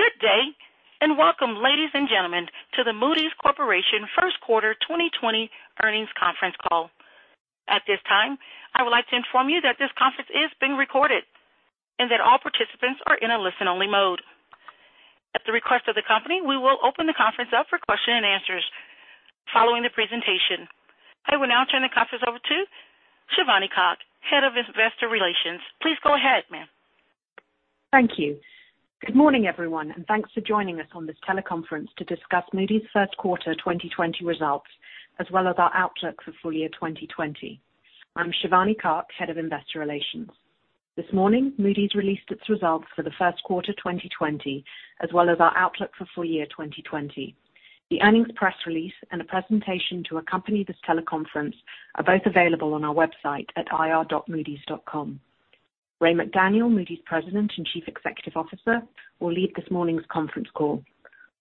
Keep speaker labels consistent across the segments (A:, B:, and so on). A: Good day, and welcome, ladies and gentlemen, to the Moody's Corporation first quarter 2020 earnings conference call. At this time, I would like to inform you that this conference is being recorded and that all participants are in a listen-only mode. At the request of the company, we will open the conference up for question-and-answers following the presentation. I will now turn the conference over to Shivani Kak, Head of Investor Relations. Please go ahead, ma'am.
B: Thank you. Good morning, everyone, and thanks for joining us on this teleconference to discuss Moody's first quarter 2020 results, as well as our outlook for full-year 2020. I'm Shivani Kak, Head of Investor Relations. This morning, Moody's released its results for the first quarter 2020, as well as our outlook for full year 2020. The earnings press release and a presentation to accompany this teleconference are both available on our website at ir.moodys.com. Ray McDaniel, Moody's President and Chief Executive Officer, will lead this morning's conference call.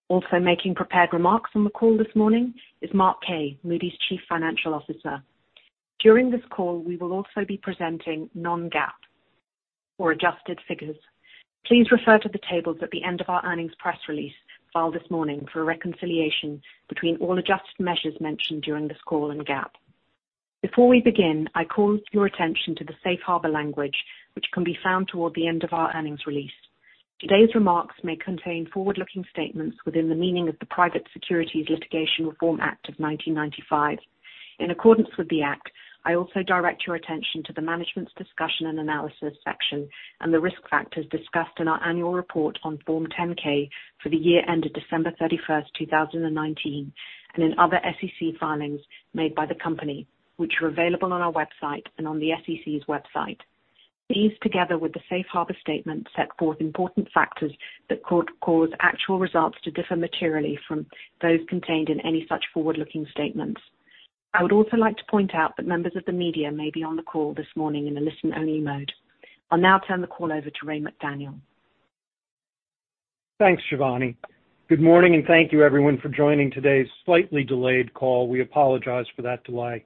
B: Also making prepared remarks on the call this morning is Mark Kaye, Moody's Chief Financial Officer. During this call, we will also be presenting non-GAAP or adjusted figures. Please refer to the tables at the end of our earnings press release filed this morning for a reconciliation between all adjusted measures mentioned during this call and GAAP. Before we begin, I call your attention to the Safe Harbor language, which can be found toward the end of our earnings release. Today's remarks may contain forward-looking statements within the meaning of the Private Securities Litigation Reform Act of 1995. In accordance with the Act, I also direct your attention to the Management's Discussion and Analysis section and the risk factors discussed in our annual report on Form 10-K for the year ended December 31st, 2019, and in other SEC filings made by the company, which are available on our website and on the SEC's website. These, together with the Safe Harbor statement, set forth important factors that could cause actual results to differ materially from those contained in any such forward-looking statements. I would also like to point out that members of the media may be on the call this morning in a listen-only mode. I'll now turn the call over to Ray McDaniel.
C: Thanks, Shivani. Good morning, thank you everyone for joining today's slightly delayed call. We apologize for that delay.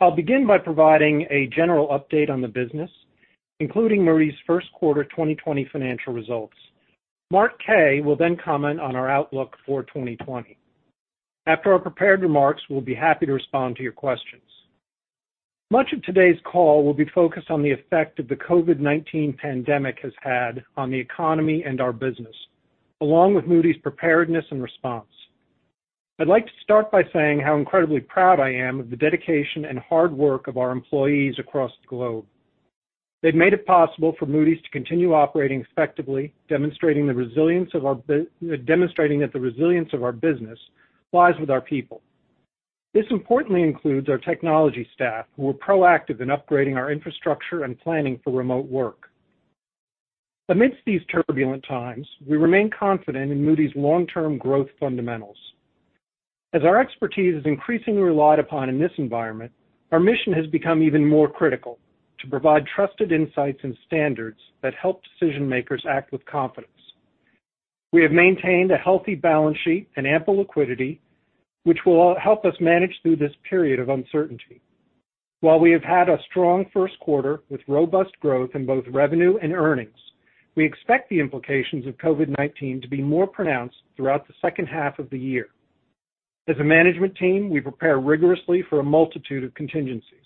C: I'll begin by providing a general update on the business, including Moody's first quarter 2020 financial results. Mark Kaye will comment on our outlook for 2020. After our prepared remarks, we'll be happy to respond to your questions. Much of today's call will be focused on the effect that the COVID-19 pandemic has had on the economy and our business, along with Moody's preparedness and response. I'd like to start by saying how incredibly proud I am of the dedication and hard work of our employees across the globe. They've made it possible for Moody's to continue operating effectively, demonstrating that the resilience of our business lies with our people. This importantly includes our technology staff, who were proactive in upgrading our infrastructure and planning for remote work. Amidst these turbulent times, we remain confident in Moody's long-term growth fundamentals. As our expertise is increasingly relied upon in this environment, our mission has become even more critical to provide trusted insights and standards that help decision makers act with confidence. We have maintained a healthy balance sheet and ample liquidity, which will help us manage through this period of uncertainty. While we have had a strong first quarter with robust growth in both revenue and earnings, we expect the implications of COVID-19 to be more pronounced throughout the second half of the year. As a management team, we prepare rigorously for a multitude of contingencies.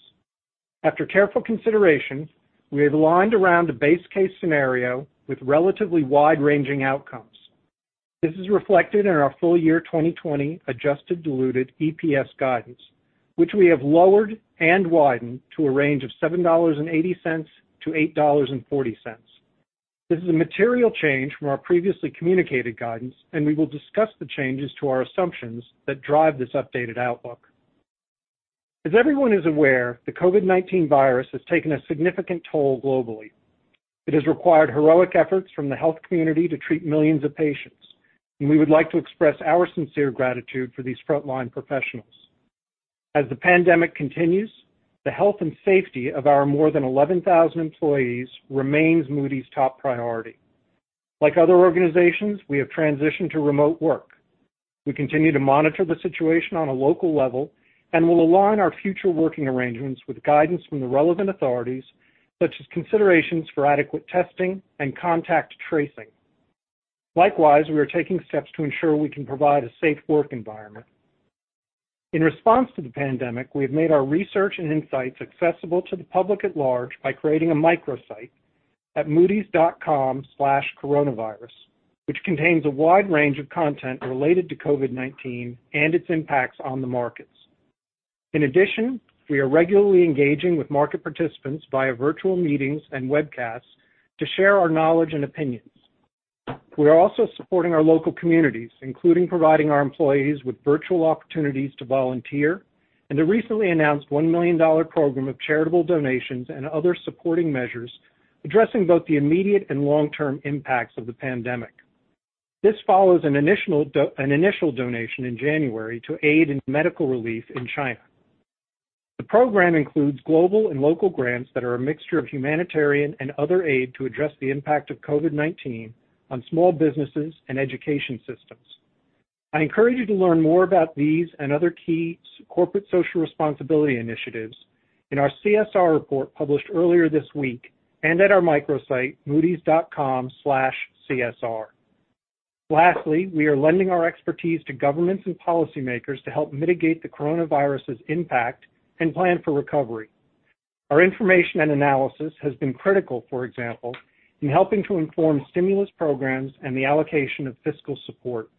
C: After careful consideration, we have aligned around a base case scenario with relatively wide-ranging outcomes. This is reflected in our full-year 2020 adjusted diluted EPS guidance, which we have lowered and widened to a range of $7.80-$8.40. This is a material change from our previously communicated guidance, and we will discuss the changes to our assumptions that drive this updated outlook. As everyone is aware, the COVID-19 virus has taken a significant toll globally. It has required heroic efforts from the health community to treat millions of patients, and we would like to express our sincere gratitude for these frontline professionals. As the pandemic continues, the health and safety of our more than 11,000 employees remains Moody's top priority. Like other organizations, we have transitioned to remote work. We continue to monitor the situation on a local level and will align our future working arrangements with guidance from the relevant authorities, such as considerations for adequate testing and contact tracing. Likewise, we are taking steps to ensure we can provide a safe work environment. In response to the pandemic, we have made our research and insights accessible to the public-at-large by creating a microsite at moodys.com/coronavirus, which contains a wide range of content related to COVID-19 and its impacts on the markets. In addition, we are regularly engaging with market participants via virtual meetings and webcasts to share our knowledge and opinions. We are also supporting our local communities, including providing our employees with virtual opportunities to volunteer and a recently announced $1 million program of charitable donations and other supporting measures addressing both the immediate and long-term impacts of the pandemic. This follows an initial donation in January to aid in medical relief in China. The program includes global and local grants that are a mixture of humanitarian and other aid to address the impact of COVID-19 on small businesses and education systems. I encourage you to learn more about these and other key corporate social responsibility initiatives in our CSR report published earlier this week and at our microsite, moodys.com/csr. Lastly, we are lending our expertise to governments and policymakers to help mitigate the coronavirus's impact and plan for recovery. Our information and analysis has been critical, for example, in helping to inform stimulus programs and the allocation of fiscal support.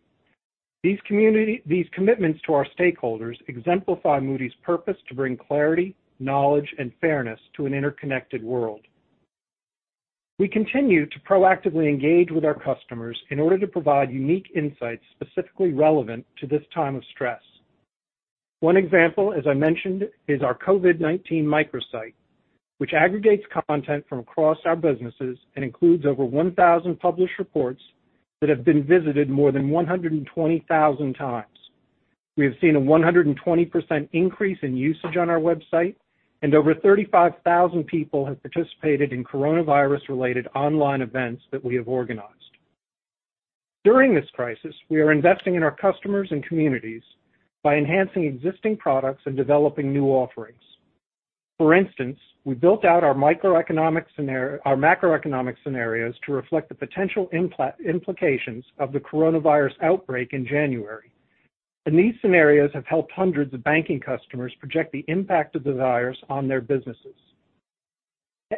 C: These commitments to our stakeholders exemplify Moody's purpose to bring clarity, knowledge, and fairness to an interconnected world. We continue to proactively engage with our customers in order to provide unique insights specifically relevant to this time of stress. One example, as I mentioned, is our COVID-19 microsite, which aggregates content from across our businesses and includes over 1,000 published reports that have been visited more than 120,000 times. We have seen a 120% increase in usage on our website, and over 35,000 people have participated in coronavirus-related online events that we have organized. During this crisis, we are investing in our customers and communities by enhancing existing products and developing new offerings. For instance, we built out our macroeconomic scenarios to reflect the potential implications of the coronavirus outbreak in January, and these scenarios have helped hundreds of banking customers project the impact of the virus on their businesses.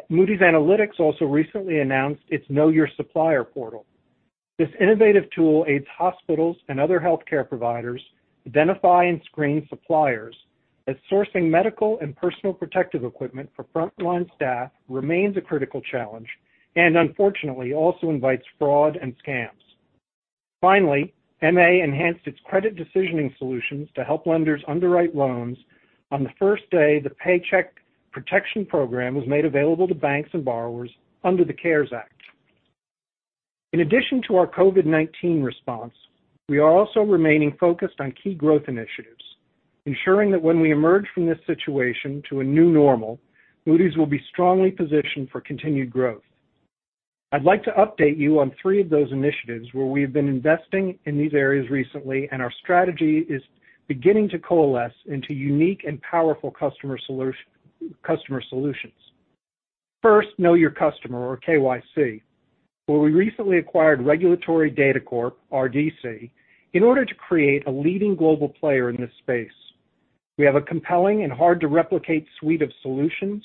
C: Moody's Analytics also recently announced its Know Your Supplier portal. This innovative tool aids hospitals and other healthcare providers to identify and screen suppliers as sourcing medical and personal protective equipment for frontline staff remains a critical challenge and unfortunately also invites fraud and scams. MA enhanced its credit decisioning solutions to help lenders underwrite loans on the first day the Paycheck Protection Program was made available to banks and borrowers under the CARES Act. In addition to our COVID-19 response, we are also remaining focused on key growth initiatives, ensuring that when we emerge from this situation to a new normal, Moody's will be strongly positioned for continued growth. I'd like to update you on three of those initiatives where we've been investing in these areas recently and our strategy is beginning to coalesce into unique and powerful customer solutions. First, Know Your Customer or KYC, where we recently acquired Regulatory DataCorp, RDC, in order to create a leading global player in this space. We have a compelling and hard-to-replicate suite of solutions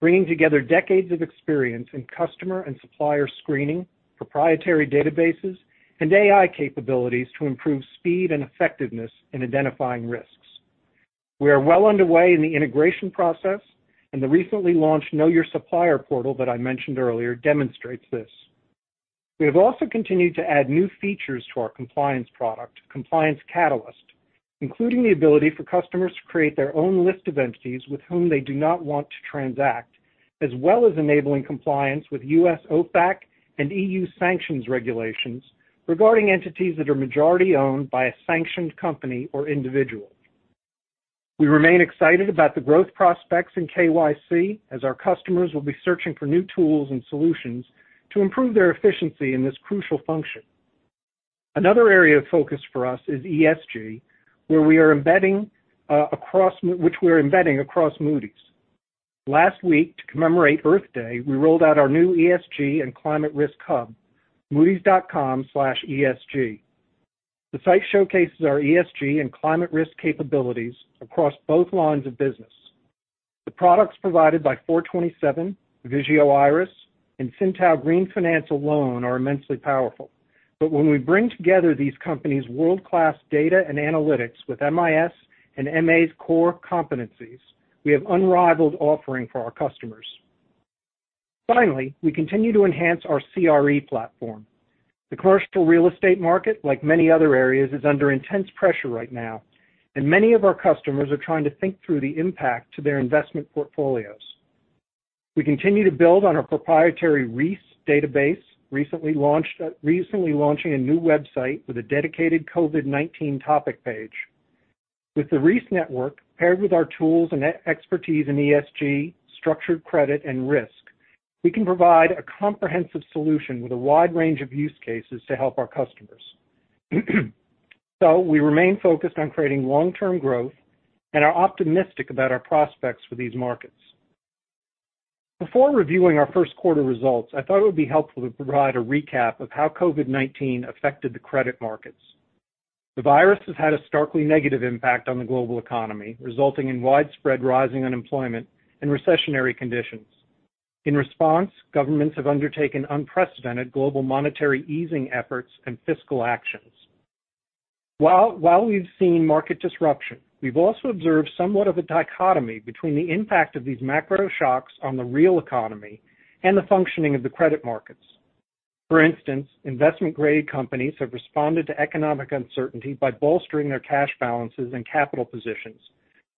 C: bringing together decades of experience in customer and supplier screening, proprietary databases, and AI capabilities to improve speed and effectiveness in identifying risks. We are well underway in the integration process, and the recently launched Know Your Supplier portal that I mentioned earlier demonstrates this. We have also continued to add new features to our compliance product, Compliance Catalyst, including the ability for customers to create their own list of entities with whom they do not want to transact, as well as enabling compliance with U.S. OFAC and EU sanctions regulations regarding entities that are majority-owned by a sanctioned company or individual. We remain excited about the growth prospects in KYC as our customers will be searching for new tools and solutions to improve their efficiency in this crucial function. Another area of focus for us is ESG, which we are embedding across Moody's. Last week, to commemorate Earth Day, we rolled out our new ESG and Climate Risk Hub, moodys.com/esg. The site showcases our ESG and climate risk capabilities across both lines of business. The products provided by 427, Vigeo Eiris, and SynTao Green Finance alone are immensely powerful. When we bring together these companies' world-class data and analytics with MIS and MA's core competencies, we have unrivaled offering for our customers. We continue to enhance our CRE platform. The commercial real estate market, like many other areas, is under intense pressure right now, and many of our customers are trying to think through the impact to their investment portfolios. We continue to build on our proprietary REIS database, recently launching a new website with a dedicated COVID-19 topic page. With the REIS Network, paired with our tools and expertise in ESG, structured credit, and risk, we can provide a comprehensive solution with a wide range of use cases to help our customers. We remain focused on creating long-term growth and are optimistic about our prospects for these markets. Before reviewing our first quarter results, I thought it would be helpful to provide a recap of how COVID-19 affected the credit markets. The virus has had a starkly negative impact on the global economy, resulting in widespread rising unemployment and recessionary conditions. In response, governments have undertaken unprecedented global monetary easing efforts and fiscal actions. While we've seen market disruption, we've also observed somewhat of a dichotomy between the impact of these macro shocks on the real economy and the functioning of the credit markets. For instance, investment-grade companies have responded to economic uncertainty by bolstering their cash balances and capital positions,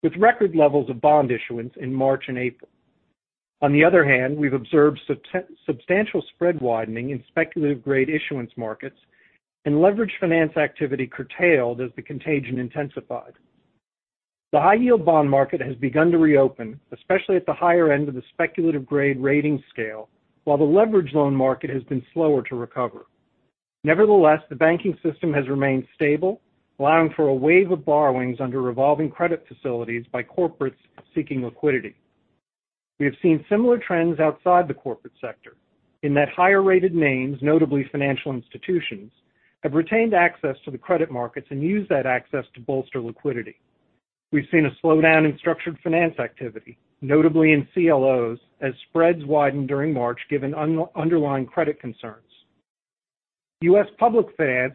C: with record levels of bond issuance in March and April. On the other hand, we've observed substantial spread widening in speculative-grade issuance markets and leveraged finance activity curtailed as the contagion intensified. The high-yield bond market has begun to reopen, especially at the higher end of the speculative-grade rating scale, while the leverage loan market has been slower to recover. Nevertheless, the banking system has remained stable, allowing for a wave of borrowings under revolving credit facilities by corporates seeking liquidity. We have seen similar trends outside the corporate sector, in that higher-rated names, notably financial institutions, have retained access to the credit markets and used that access to bolster liquidity. We've seen a slowdown in structured finance activity, notably in CLOs, as spreads widened during March, given underlying credit concerns. U.S. public finance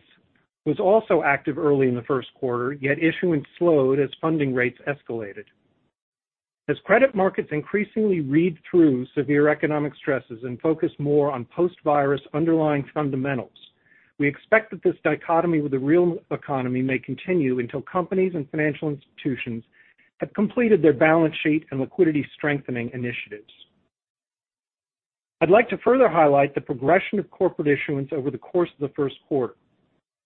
C: was also active early in the first quarter, yet issuance slowed as funding rates escalated. As credit markets increasingly read through severe economic stresses and focus more on post-virus underlying fundamentals, we expect that this dichotomy with the real economy may continue until companies and financial institutions have completed their balance sheet and liquidity strengthening initiatives. I'd like to further highlight the progression of corporate issuance over the course of the first quarter.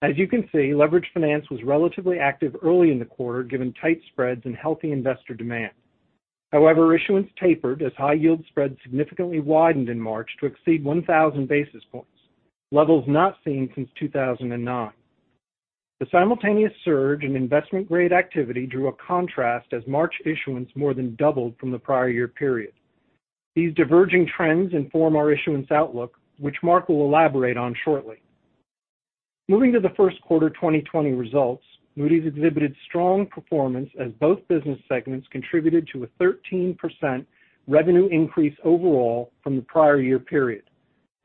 C: As you can see, leverage finance was relatively active early in the quarter, given tight spreads and healthy investor demand. However, issuance tapered as high yield spreads significantly widened in March to exceed 1,000 basis points, levels not seen since 2009. The simultaneous surge in investment-grade activity drew a contrast as March issuance more than doubled from the prior year period. These diverging trends inform our issuance outlook, which Mark will elaborate on shortly. Moving to the first quarter 2020 results, Moody's exhibited strong performance as both business segments contributed to a 13% revenue increase overall from the prior year period,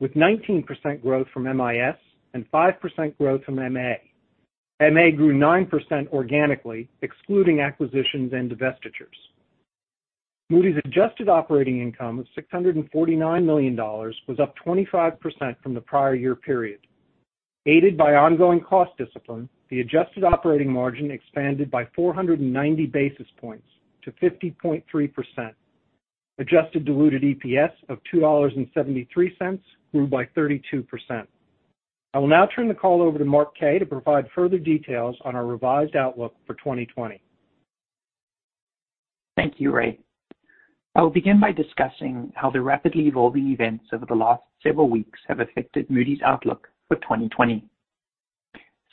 C: with 19% growth from MIS and 5% growth from MA. MA grew 9% organically, excluding acquisitions and divestitures. Moody's adjusted operating income of $649 million was up 25% from the prior year period. Aided by ongoing cost discipline, the adjusted operating margin expanded by 490 basis points to 50.3%. Adjusted diluted EPS of $2.73 grew by 32%. I will now turn the call over to Mark Kaye. to provide further details on our revised outlook for 2020.
D: Thank you, Ray. I will begin by discussing how the rapidly evolving events over the last several weeks have affected Moody's outlook for 2020.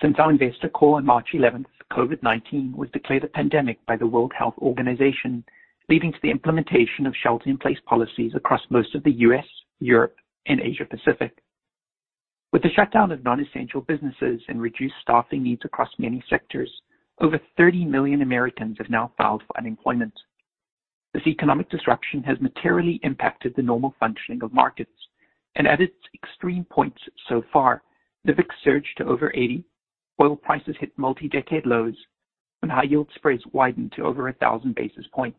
D: Since our investor call on March 11th, COVID-19 was declared a pandemic by the World Health Organization, leading to the implementation of shelter-in-place policies across most of the U.S., Europe, and Asia-Pacific. With the shutdown of non-essential businesses and reduced staffing needs across many sectors, over 30 million Americans have now filed for unemployment. This economic disruption has materially impacted the normal functioning of markets, and at its extreme points so far, the VIX surged to over 80, oil prices hit multi-decade lows, and high yield spreads widened to over 1,000 basis points.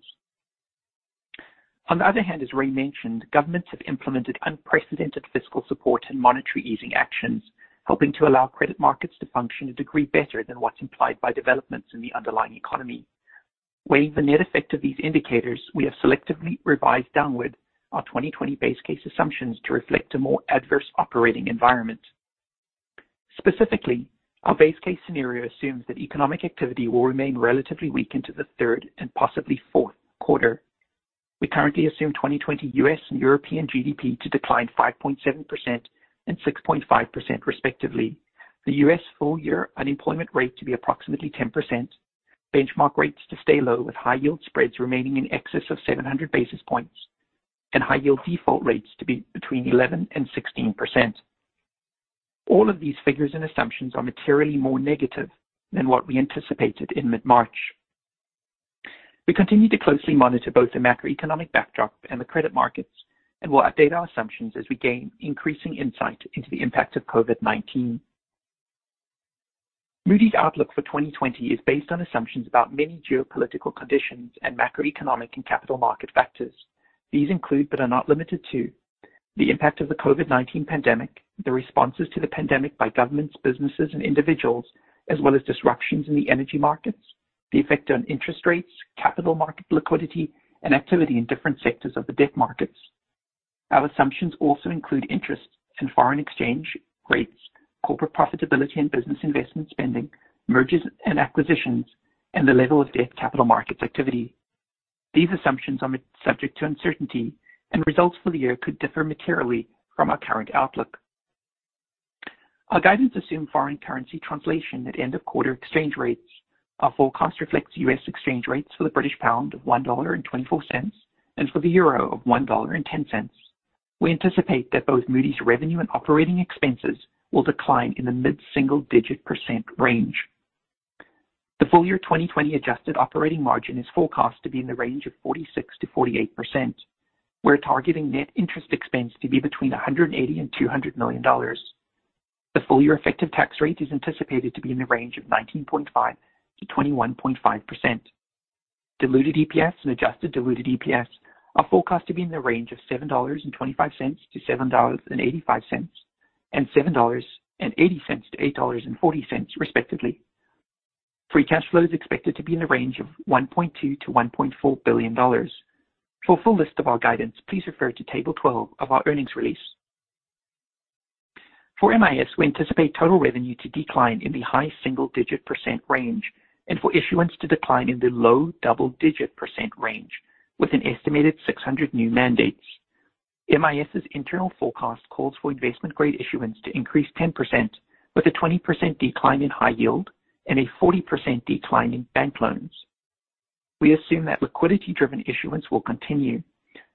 D: On the other hand, as Ray mentioned, governments have implemented unprecedented fiscal support and monetary easing actions, helping to allow credit markets to function a degree better than what's implied by developments in the underlying economy. Weighing the net effect of these indicators, we have selectively revised downward our 2020 base case assumptions to reflect a more adverse operating environment. Specifically, our base case scenario assumes that economic activity will remain relatively weak into the third and possibly fourth quarter. We currently assume 2020 U.S. and European GDP to decline 5.7% and 6.5% respectively, the U.S. full-year unemployment rate to be approximately 10%, benchmark rates to stay low with high yield spreads remaining in excess of 700 basis points, and high yield default rates to be between 11% and 16%. All of these figures and assumptions are materially more negative than what we anticipated in mid-March. We continue to closely monitor both the macroeconomic backdrop and the credit markets and will update our assumptions as we gain increasing insight into the impact of COVID-19. Moody's outlook for 2020 is based on assumptions about many geopolitical conditions and macroeconomic and capital market factors. These include, but are not limited to, the impact of the COVID-19 pandemic, the responses to the pandemic by governments, businesses, and individuals, as well as disruptions in the energy markets, the effect on interest rates, capital market liquidity, and activity in different sectors of the debt markets. Our assumptions also include interest in foreign exchange rates, corporate profitability and business investment spending, mergers and acquisitions, and the level of debt capital markets activity. These assumptions are subject to uncertainty, and results for the year could differ materially from our current outlook. Our guidance assume foreign currency translation at end of quarter exchange rates. Our forecast reflects U.S. exchange rates for the British pound of $1.24 and for the euro of $1.10. We anticipate that both Moody's revenue and operating expenses will decline in the mid-single-digit % range. The full-year 2020 adjusted operating margin is forecast to be in the range of 46%-48%, we're targeting net interest expense to be between $180 million and $200 million. The full-year effective tax rate is anticipated to be in the range of 19.5%-21.5%. Diluted EPS and adjusted diluted EPS are forecast to be in the range of $7.25-$7.85 and $7.80-$8.40, respectively. Free cash flow is expected to be in the range of $1.2 billion-$1.4 billion. For a full list of our guidance, please refer to Table 12 of our earnings release. For MIS, we anticipate total revenue to decline in the high single-digit % range and for issuance to decline in the low double-digit % range with an estimated 600 new mandates. MIS's internal forecast calls for investment-grade issuance to increase 10%, with a 20% decline in high yield and a 40% decline in bank loans. We assume that liquidity-driven issuance will continue.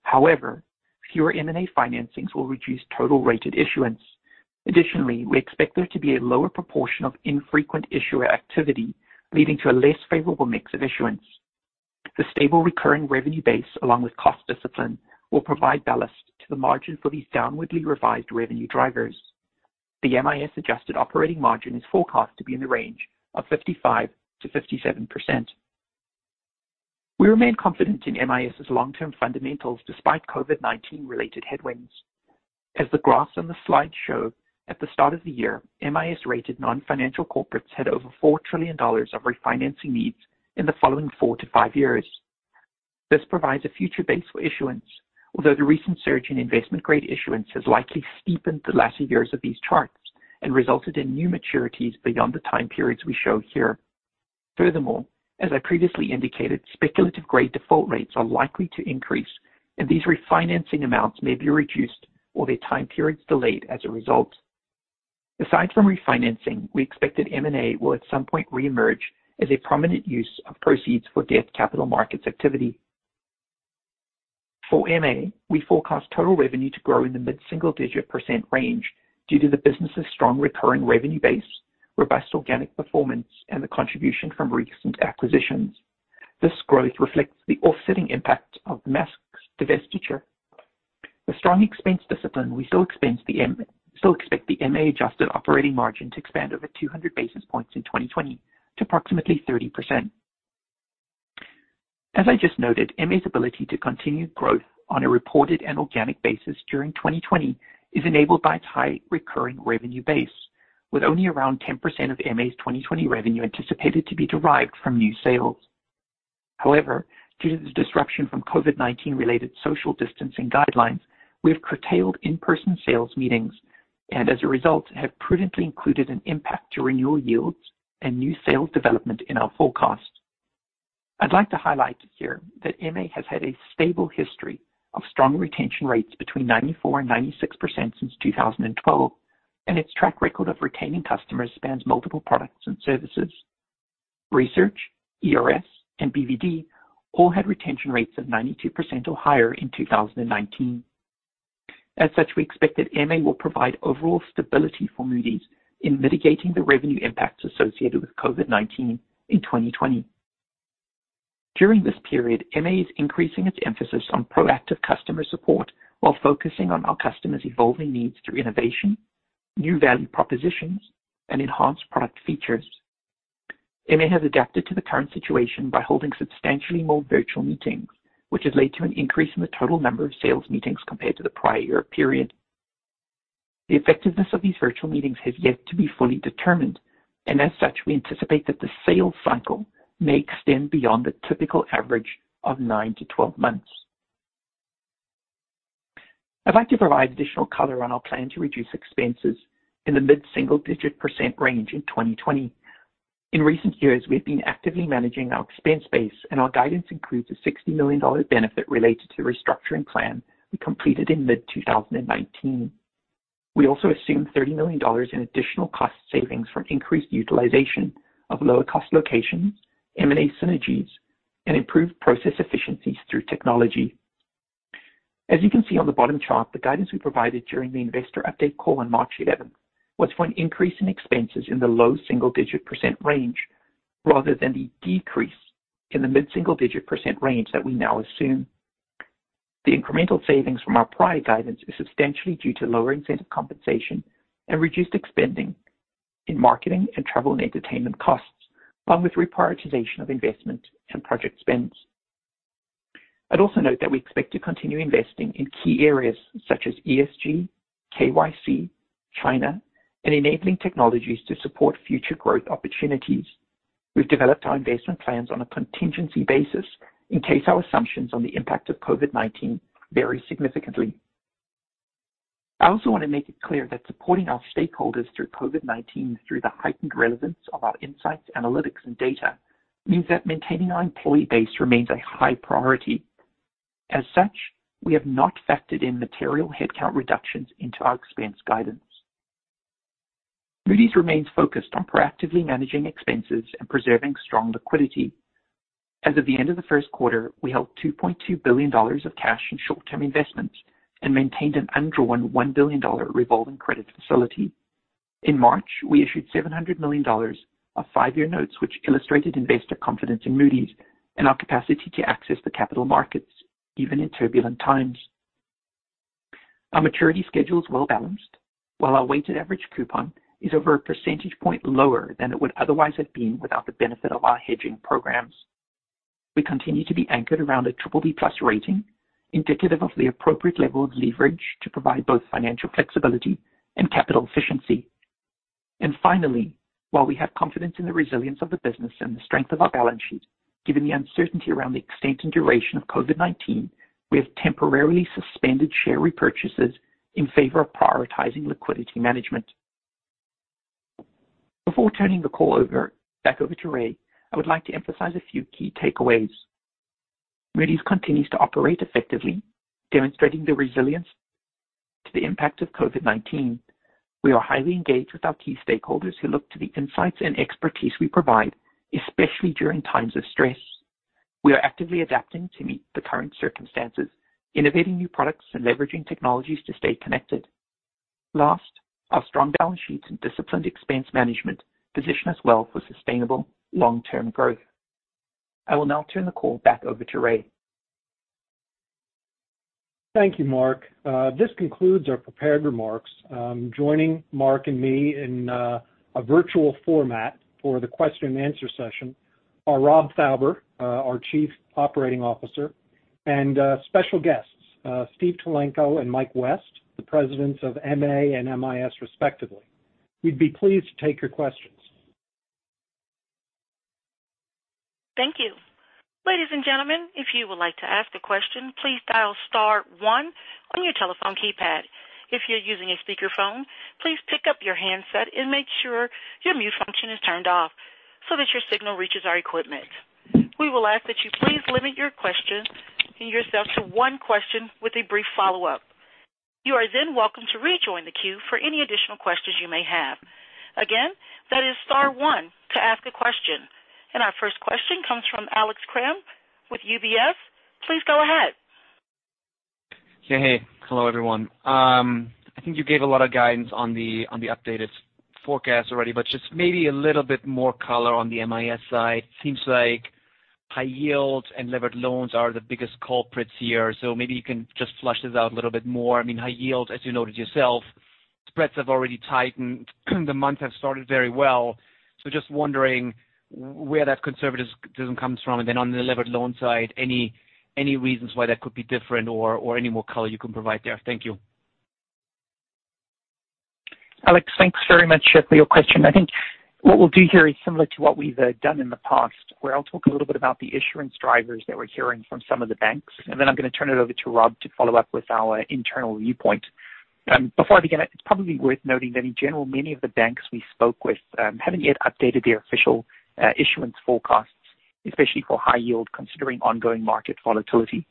D: However, fewer M&A financings will reduce total rated issuance. Additionally, we expect there to be a lower proportion of infrequent issuer activity, leading to a less favorable mix of issuance. The stable recurring revenue base, along with cost discipline, will provide ballast to the margin for these downwardly revised revenue drivers. The MIS-adjusted operating margin is forecast to be in the range of 55%-57%. We remain confident in MIS's long-term fundamentals despite COVID-19-related headwinds. As the graphs on the slide show, at the start of the year, MIS-rated non-financial corporates had over $4 trillion of refinancing needs in the following four to five years. This provides a future base for issuance, although the recent surge in investment-grade issuance has likely steepened the latter years of these charts and resulted in new maturities beyond the time periods we show here. Furthermore, as I previously indicated, speculative-grade default rates are likely to increase, and these refinancing amounts may be reduced or their time periods delayed as a result. Aside from refinancing, we expect that M&A will at some point reemerge as a prominent use of proceeds for debt capital markets activity. For MA, we forecast total revenue to grow in the mid-single-digit % range due to the business's strong recurring revenue base, robust organic performance, and the contribution from recent acquisitions. This growth reflects the offsetting impact of the MAKS divestiture. With strong expense discipline, we still expect the MA adjusted operating margin to expand over 200 basis points in 2020 to approximately 30%. As I just noted, MA's ability to continue growth on a reported and organic basis during 2020 is enabled by its high recurring revenue base, with only around 10% of MA's 2020 revenue anticipated to be derived from new sales. However, due to the disruption from COVID-19-related social distancing guidelines, we have curtailed in-person sales meetings and as a result, have prudently included an impact to renewal yields and new sales development in our forecast. I'd like to highlight here that MA has had a stable history of strong retention rates between 94% and 96% since 2012, and its track record of retaining customers spans multiple products and services. Research, ERS, and BvD all had retention rates of 92% or higher in 2019. As such, we expect that MA will provide overall stability for Moody's in mitigating the revenue impacts associated with COVID-19 in 2020. During this period, MA is increasing its emphasis on proactive customer support while focusing on our customers' evolving needs through innovation, new value propositions, and enhanced product features. MA has adapted to the current situation by holding substantially more virtual meetings, which has led to an increase in the total number of sales meetings compared to the prior year period. The effectiveness of these virtual meetings has yet to be fully determined, and as such, we anticipate that the sales cycle may extend beyond the typical average of nine to 12 months. I'd like to provide additional color on our plan to reduce expenses in the mid-single-digit % range in 2020. In recent years, we have been actively managing our expense base, and our guidance includes a $60 million benefit related to the restructuring plan we completed in mid-2019. We also assume $30 million in additional cost savings from increased utilization of lower-cost locations, M&A synergies, and improved process efficiencies through technology. As you can see on the bottom chart, the guidance we provided during the investor update call on March 11 was for an increase in expenses in the low single-digit % range rather than the decrease in the mid-single-digit % range that we now assume. The incremental savings from our prior guidance is substantially due to lower incentive compensation and reduced spending in marketing and travel and entertainment costs, along with reprioritization of investment and project spend. I'd also note that we expect to continue investing in key areas such as ESG, KYC, China, and enabling technologies to support future growth opportunities. We've developed our investment plans on a contingency basis in case our assumptions on the impact of COVID-19 vary significantly. I also want to make it clear that supporting our stakeholders through COVID-19 through the heightened relevance of our insights, analytics, and data means that maintaining our employee base remains a high priority. As such, we have not factored in material headcount reductions into our expense guidance. Moody's remains focused on proactively managing expenses and preserving strong liquidity. As of the end of the first quarter, we held $2.2 billion of cash and short-term investments and maintained an undrawn $1 billion revolving credit facility. In March, we issued $700 million of five-year notes, which illustrated investor confidence in Moody's and our capacity to access the capital markets, even in turbulent times. Our maturity schedule is well-balanced, while our weighted average coupon is over one percentage point lower than it would otherwise have been without the benefit of our hedging programs. We continue to be anchored around a BBB+ rating, indicative of the appropriate level of leverage to provide both financial flexibility and capital efficiency. Finally, while we have confidence in the resilience of the business and the strength of our balance sheet, given the uncertainty around the extent and duration of COVID-19, we have temporarily suspended share repurchases in favor of prioritizing liquidity management. Before turning the call back over to Ray, I would like to emphasize a few key takeaways. Moody's continues to operate effectively, demonstrating the resilience to the impact of COVID-19. We are highly engaged with our key stakeholders who look to the insights and expertise we provide, especially during times of stress. We are actively adapting to meet the current circumstances, innovating new products and leveraging technologies to stay connected. Last, our strong balance sheets and disciplined expense management position us well for sustainable long-term growth. I will now turn the call back over to Ray.
C: Thank you, Mark. This concludes our prepared remarks. Joining Mark and me in a virtual format for the question-and-answer session are Rob Fauber, our Chief Operating Officer, and special guests, Steve Tulenko and Mike West, the Presidents of MA and MIS respectively. We'd be pleased to take your questions.
A: Thank you. Ladies and gentlemen, if you would like to ask a question, please dial star one on your telephone keypad. If you're using a speakerphone, please pick up your handset and make sure your mute function is turned off so that your signal reaches our equipment. We will ask that you please limit yourself to one question with a brief follow-up. You are welcome to rejoin the queue for any additional questions you may have. Again, that is star one to ask a question. Our first question comes from Alex Kramm with UBS. Please go ahead.
E: Hey. Hello, everyone. I think you gave a lot of guidance on the updated forecast already, but just maybe a little bit more color on the MIS side. Seems like high yield and levered loans are the biggest culprits here, so maybe you can just flush this out a little bit more. I mean, high yield, as you noted yourself, spreads have already tightened. The month have started very well. Just wondering where that conservatism comes from. Then on the levered loan side, any reasons why that could be different or any more color you can provide there? Thank you.
D: Alex, thanks very much for your question. I think what we'll do here is similar to what we've done in the past, where I'll talk a little bit about the issuance drivers that we're hearing from some of the banks, and then I'm going to turn it over to Rob to follow up with our internal viewpoint. Before I begin, it's probably worth noting that in general, many of the banks we spoke with haven't yet updated their official issuance forecasts, especially for high yield, considering ongoing market volatility.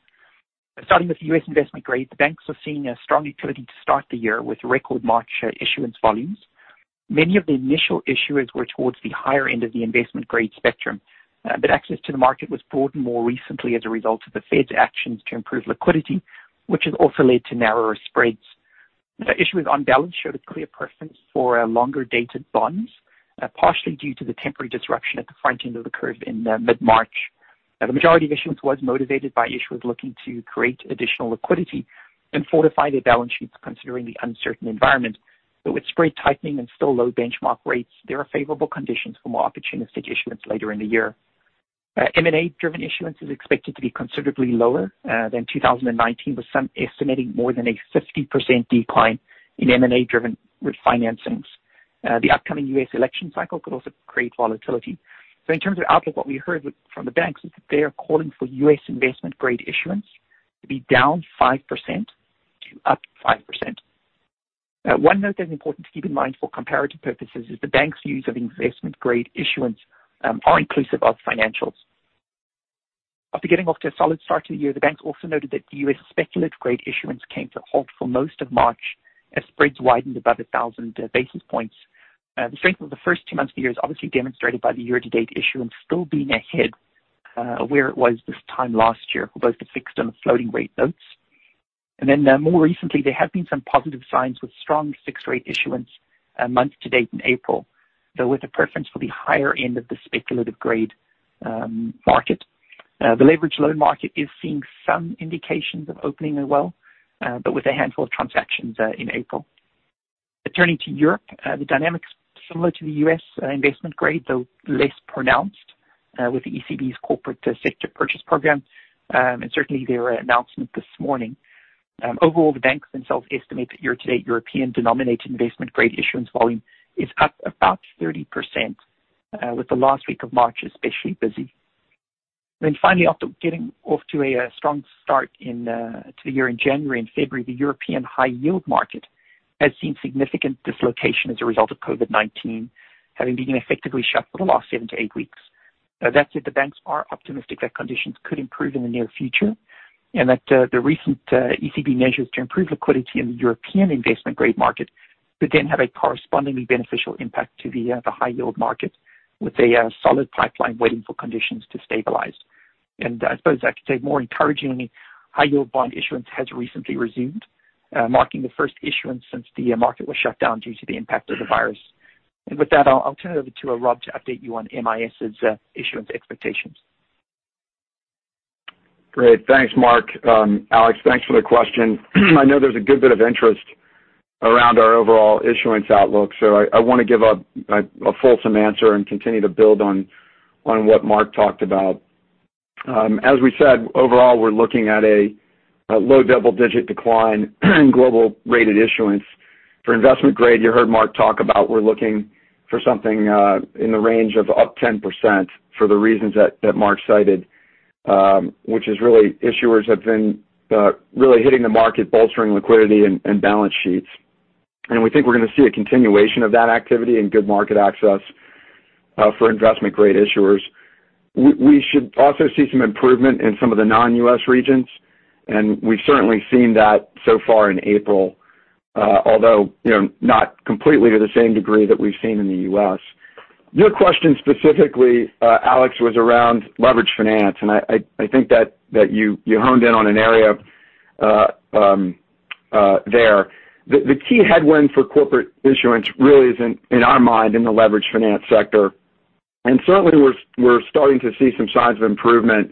D: Starting with U.S. investment grade, the banks are seeing a strong utility to start the year with record March issuance volumes. Many of the initial issuers were towards the higher end of the investment-grade spectrum, but access to the market was broadened more recently as a result of the Fed's actions to improve liquidity, which has also led to narrower spreads. The issuers on balance showed a clear preference for longer-dated bonds, partially due to the temporary disruption at the front end of the curve in mid-March. The majority of issuance was motivated by issuers looking to create additional liquidity and fortify their balance sheets considering the uncertain environment. With spread tightening and still low benchmark rates, there are favorable conditions for more opportunistic issuance later in the year. M&A driven issuance is expected to be considerably lower than 2019, with some estimating more than a 50% decline in M&A driven refinancings. The upcoming U.S. election cycle could also create volatility. In terms of outlook, what we heard from the banks is that they are calling for U.S. investment-grade issuance to be down 5% to up 5%. One note that is important to keep in mind for comparative purposes is the banks' use of investment-grade issuance are inclusive of financials. After getting off to a solid start to the year, the banks also noted that the U.S. speculative grade issuance came to a halt for most of March as spreads widened above 1,000 basis points. The strength of the first two months of the year is obviously demonstrated by the year-to-date issuance still being ahead where it was this time last year for both the fixed and floating rate notes. More recently, there have been some positive signs with strong fixed rate issuance month to date in April, though with a preference for the higher end of the speculative grade market. The leveraged loan market is seeing some indications of opening as well, but with a handful of transactions in April. Turning to Europe, the dynamic is similar to the U.S. investment grade, though less pronounced with the ECB's corporate sector purchase program, certainly their announcement this morning. Overall, the banks themselves estimate that year-to-date European denominated investment-grade issuance volume is up about 30%, with the last week of March especially busy. Finally, after getting off to a strong start in the year in January and February, the European high yield market has seen significant dislocation as a result of COVID-19 having been effectively shut for the last seven to eight weeks. That said, the banks are optimistic that conditions could improve in the near future, that the recent ECB measures to improve liquidity in the European investment-grade market could then have a correspondingly beneficial impact to the high yield market with a solid pipeline waiting for conditions to stabilize. I suppose I could say more encouragingly, high yield bond issuance has recently resumed, marking the first issuance since the market was shut down due to the impact of the virus. With that, I'll turn it over to Rob to update you on MIS's issuance expectations.
F: Great. Thanks, Mark. Alex, thanks for the question. I know there's a good bit of interest around our overall issuance outlook, so I want to give a fulsome answer and continue to build on what Mark talked about. As we said, overall, we're looking at a low double-digit decline in global rated issuance. For investment grade, you heard Mark talk about we're looking for something in the range of up 10% for the reasons that Mark cited, which is really issuers have been really hitting the market, bolstering liquidity and balance sheets. We think we're going to see a continuation of that activity and good market access for investment-grade issuers. We should also see some improvement in some of the non-U.S. regions. We've certainly seen that so far in April, although not completely to the same degree that we've seen in the U.S. Your question specifically, Alex, was around leverage finance. I think that you honed in on an area there. The key headwind for corporate issuance really is, in our mind, in the leverage finance sector. Certainly we're starting to see some signs of improvement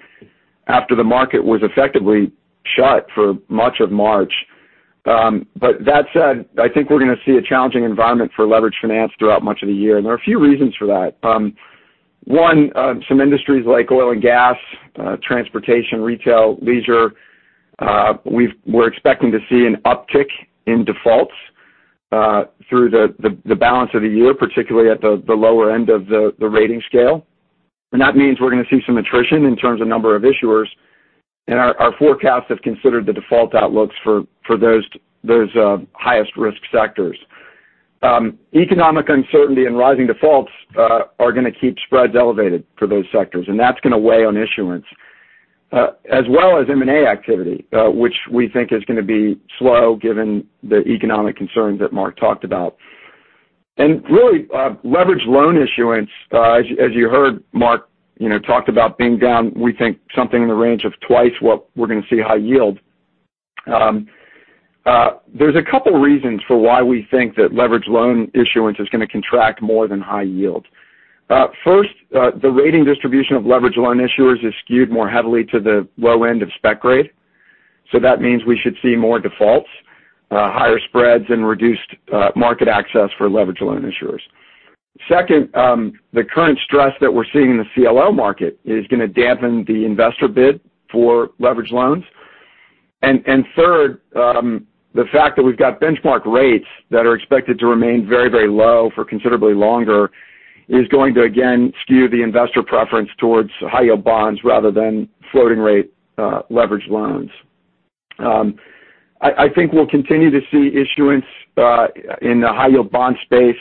F: after the market was effectively shut for much of March. That said, I think we're going to see a challenging environment for leverage finance throughout much of the year. There are a few reasons for that. One, some industries like oil and gas, transportation, retail, leisure, we're expecting to see an uptick in defaults through the balance of the year, particularly at the lower end of the rating scale. That means we're going to see some attrition in terms of number of issuers, and our forecasts have considered the default outlooks for those highest risk sectors. Economic uncertainty and rising defaults are going to keep spreads elevated for those sectors, and that's going to weigh on issuance, as well as M&A activity, which we think is going to be slow given the economic concerns that Mark talked about. Really, leverage loan issuance, as you heard Mark talk about being down, we think something in the range of twice what we're going to see high yield. There's a couple reasons for why we think that leverage loan issuance is going to contract more than high yield. First, the rating distribution of leverage loan issuers is skewed more heavily to the low end of spec grade. That means we should see more defaults, higher spreads, and reduced market access for leverage loan issuers. Second, the current stress that we're seeing in the CLO market is going to dampen the investor bid for leverage loans. Third, the fact that we've got benchmark rates that are expected to remain very low for considerably longer is going to, again, skew the investor preference towards high yield bonds rather than floating rate leverage loans. I think we'll continue to see issuance in the high yield bond space,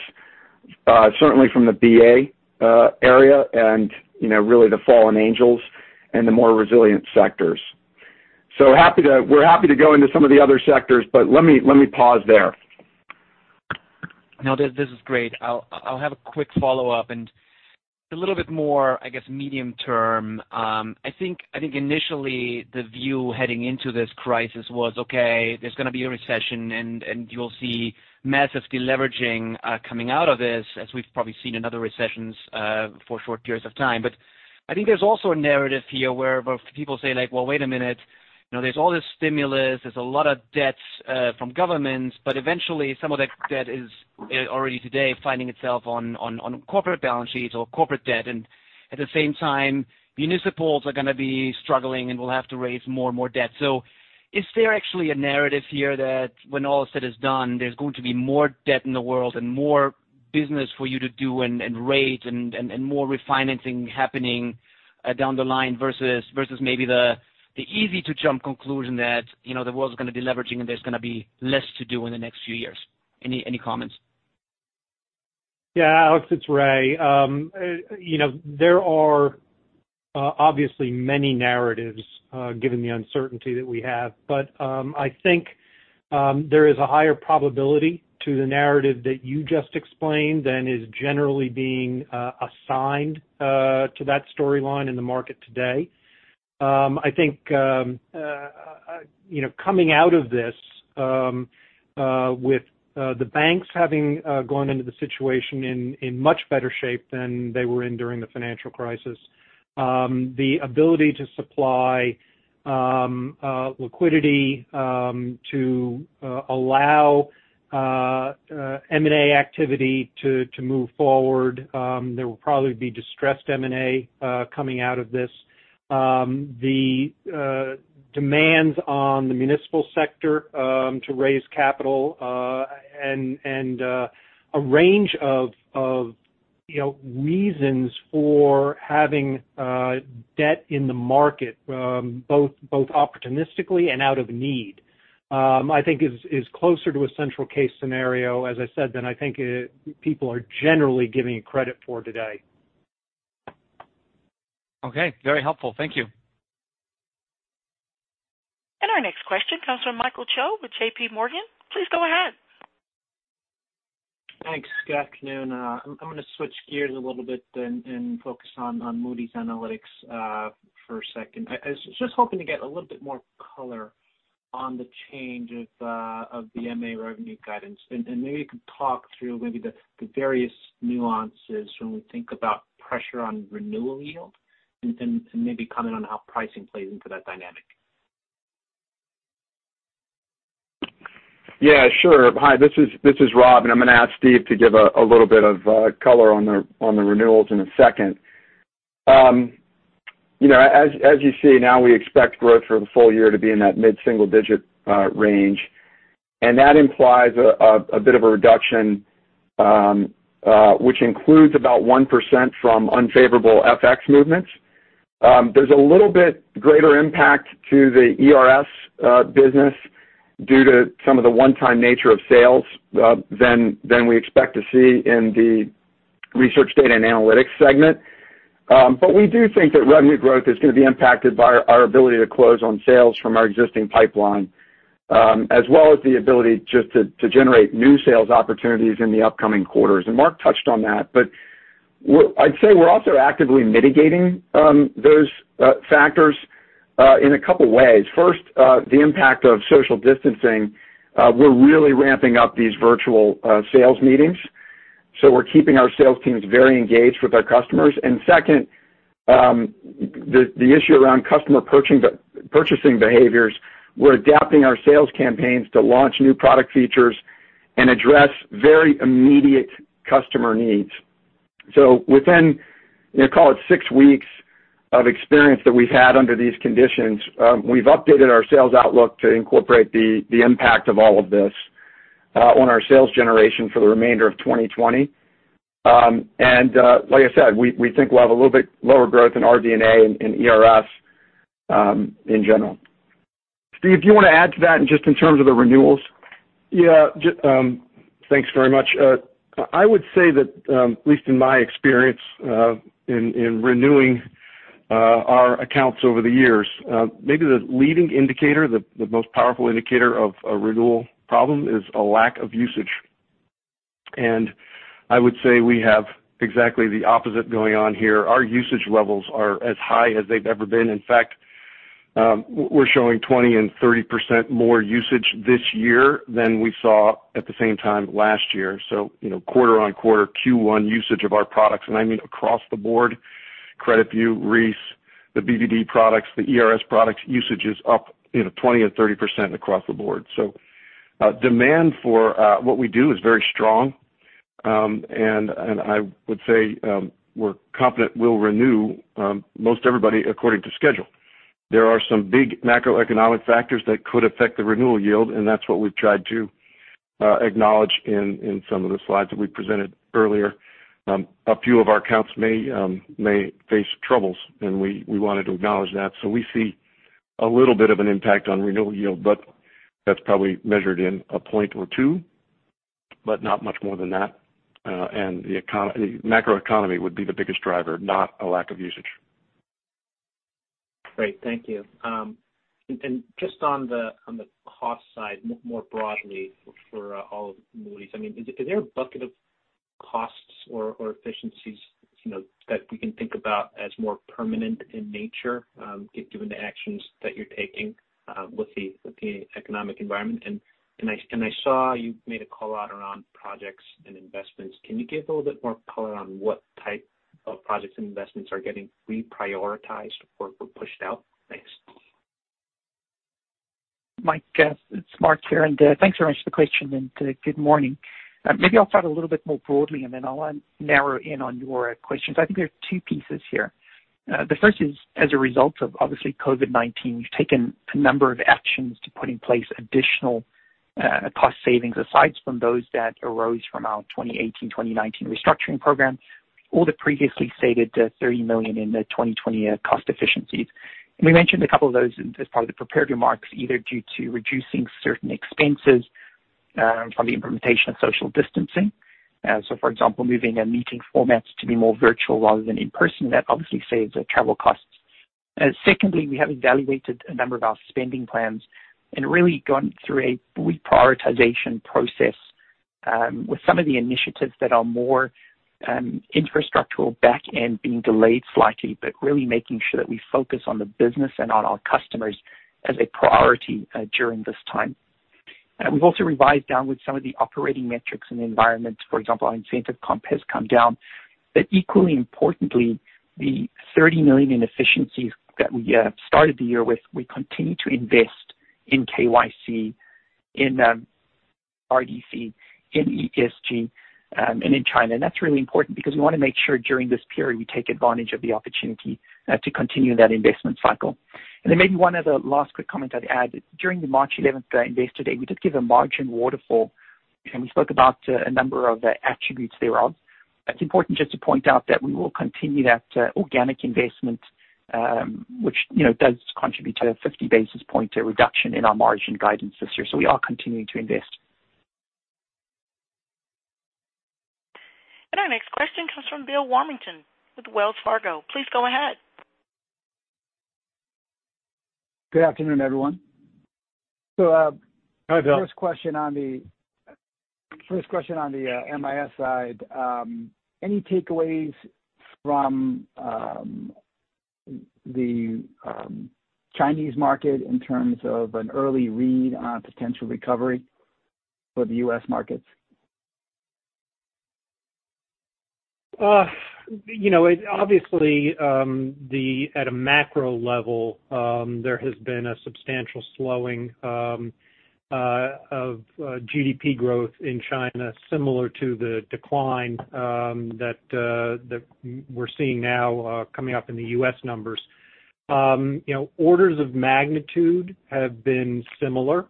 F: certainly from the Ba area and really the fallen angels and the more resilient sectors. We're happy to go into some of the other sectors, but let me pause there.
E: No, this is great. I'll have a quick follow-up and a little bit more, I guess, medium term. I think initially the view heading into this crisis was, okay, there's going to be a recession, and you'll see massive deleveraging coming out of this, as we've probably seen in other recessions for short periods of time. I think there's also a narrative here where people say, like, "Well, wait a minute. There's all this stimulus. There's a lot of debt from governments, but eventually some of that debt is already today finding itself on corporate balance sheets or corporate debt. At the same time, municipals are going to be struggling, and we'll have to raise more and more debt. Is there actually a narrative here that when all is said is done, there's going to be more debt in the world and more business for you to do and rate and more refinancing happening down the line versus maybe the easy to jump conclusion that the world's going to be leveraging, and there's going to be less to do in the next few years? Any comments?
C: Yeah, Alex, it's Ray. There are obviously many narratives given the uncertainty that we have. I think there is a higher probability to the narrative that you just explained than is generally being assigned to that storyline in the market today. I think coming out of this with the banks having gone into the situation in much better shape than they were in during the financial crisis, the ability to supply liquidity to allow M&A activity to move forward, there will probably be distressed M&A coming out of this. The demands on the municipal sector to raise capital and a range of reasons for having debt in the market both opportunistically and out of need I think is closer to a central case scenario, as I said, than I think people are generally giving credit for today.
E: Okay. Very helpful. Thank you.
A: Our next question comes from Michael Cho with JPMorgan. Please go ahead.
G: Thanks. Good afternoon. I'm going to switch gears a little bit and focus on Moody's Analytics for a second. I was just hoping to get a little bit more color on the change of the MA revenue guidance, and maybe you could talk through maybe the various nuances when we think about pressure on renewal yield and maybe comment on how pricing plays into that dynamic.
F: Yeah, sure. Hi, this is Rob. I'm going to ask Steve to give a little bit of color on the renewals in a second. As you see now we expect growth for the full year to be in that mid-single digit range, and that implies a bit of a reduction, which includes about 1% from unfavorable FX movements. There's a little bit greater impact to the ERS business due to some of the one-time nature of sales than we expect to see in the research data and analytics segment. We do think that revenue growth is going to be impacted by our ability to close on sales from our existing pipeline, as well as the ability just to generate new sales opportunities in the upcoming quarters. Mark touched on that. I'd say we're also actively mitigating those factors in a couple ways. First, the impact of social distancing, we're really ramping up these virtual sales meetings. We're keeping our sales teams very engaged with our customers. Second, the issue around customer purchasing behaviors, we're adapting our sales campaigns to launch new product features and address very immediate customer needs. Within, call it six weeks of experience that we've had under these conditions, we've updated our sales outlook to incorporate the impact of all of this on our sales generation for the remainder of 2020. Like I said, we think we'll have a little bit lower growth in RD&A and ERS in general. Steve, do you want to add to that and just in terms of the renewals?
H: Yeah. Thanks very much. I would say that, at least in my experience, in renewing our accounts over the years, maybe the leading indicator, the most powerful indicator of a renewal problem is a lack of usage. I would say we have exactly the opposite going on here. Our usage levels are as high as they've ever been. In fact, we're showing 20% and 30% more usage this year than we saw at the same time last year. Quarter-on-quarter Q1 usage of our products, and I mean across the board, CreditView, REIS, the BvD products, the ERS products, usage is up 20% or 30% across the board. Demand for what we do is very strong. I would say we're confident we'll renew most everybody according to schedule. There are some big macroeconomic factors that could affect the renewal yield, and that's what we've tried to acknowledge in some of the slides that we presented earlier. A few of our accounts may face troubles, and we wanted to acknowledge that. We see a little bit of an impact on renewal yield, but that's probably measured in a point or two, but not much more than that. The macroeconomy would be the biggest driver, not a lack of usage.
G: Great. Thank you. Just on the cost side, more broadly for all of Moody's, I mean, is there a bucket of costs or efficiencies that we can think about as more permanent in nature given the actions that you're taking with the economic environment? I saw you made a call out around projects and investments. Can you give a little bit more color on what type of projects and investments are getting reprioritized or pushed out? Thanks.
D: Michael, it's Mark here. Thanks very much for the question and good morning. Maybe I'll start a little bit more broadly. Then I'll narrow in on your questions. I think there are two pieces here. The first is as a result of obviously COVID-19, we've taken a number of actions to put in place additional cost savings, asides from those that arose from our 2018, 2019 restructuring program, the previously stated $30 million in the 2020 cost efficiencies. We mentioned a couple of those as part of the prepared remarks, either due to reducing certain expenses from the implementation of social distancing. For example, moving meeting formats to be more virtual rather than in person, that obviously saves travel costs. Secondly, we have evaluated a number of our spending plans and really gone through a reprioritization process with some of the initiatives that are more infrastructural back end being delayed slightly, but really making sure that we focus on the business and on our customers as a priority during this time. We've also revised downward some of the operating metrics in the environment. For example, I'm seeing CMBS has come down. Equally importantly, the $30 million in efficiencies that we started the year with, we continue to invest in KYC, in RDC, in ESG and in China. That's really important because we want to make sure during this period we take advantage of the opportunity to continue that investment cycle. Then maybe one other last quick comment I'd add. During the March 11th Investor Day, we did give a margin waterfall. We spoke about a number of attributes thereof. It's important just to point out that we will continue that organic investment, which does contribute to the 50 basis point reduction in our margin guidance this year. We are continuing to invest.
A: Our next question comes from Bill Warmington with Wells Fargo. Please go ahead.
I: Good afternoon, everyone.
H: Hi, Bill.
I: First question on the MIS side. Any takeaways from the Chinese market in terms of an early read on potential recovery for the U.S. markets?
C: Obviously, at a macro level, there has been a substantial slowing of GDP growth in China, similar to the decline that we're seeing now coming up in the U.S. numbers. Orders of magnitude have been similar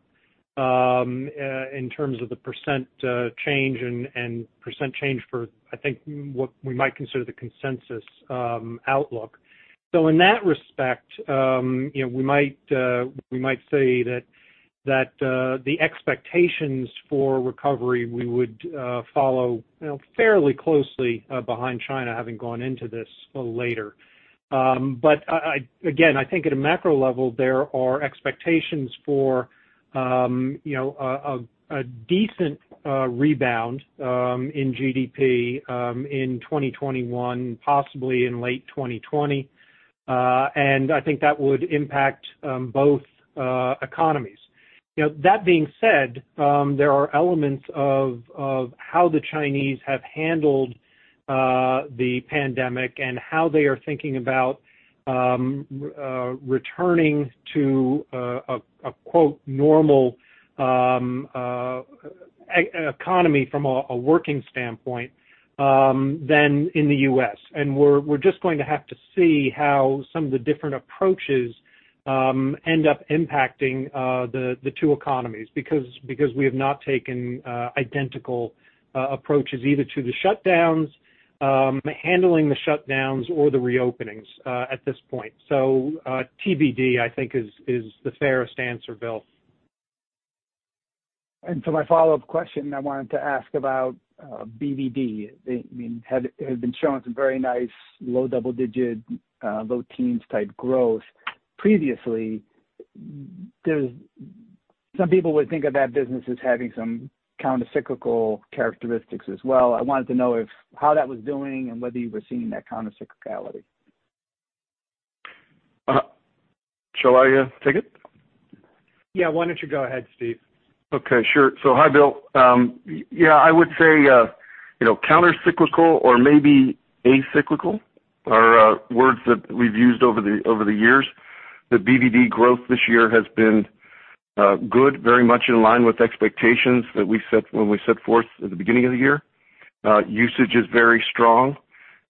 C: in terms of the % change and percent change for, I think, what we might consider the consensus outlook. In that respect, we might say that the expectations for recovery we would follow fairly closely behind China, having gone into this a little later. Again, I think at a macro level, there are expectations for a decent rebound in GDP in 2021, possibly in late 2020. I think that would impact both economies. There are elements of how the Chinese have handled the pandemic and how they are thinking about returning to a "normal" economy from a working standpoint than in the U.S. We're just going to have to see how some of the different approaches end up impacting the two economies, because we have not taken identical approaches either to the shutdowns, handling the shutdowns or the reopenings at this point. TBD, I think, is the fairest answer, Bill.
I: For my follow-up question, I wanted to ask about BvD. It has been showing some very nice low double-digit, low teens type growth previously. Some people would think of that business as having some countercyclical characteristics as well. I wanted to know how that was doing and whether you were seeing that countercyclicality.
H: Shall I take it?
C: Yeah. Why don't you go ahead, Steve?
H: Okay, sure. Hi, Bill. Yeah, I would say countercyclical or maybe acyclical are words that we've used over the years. The BvD growth this year has been good, very much in line with expectations that when we set forth at the beginning of the year. Usage is very strong.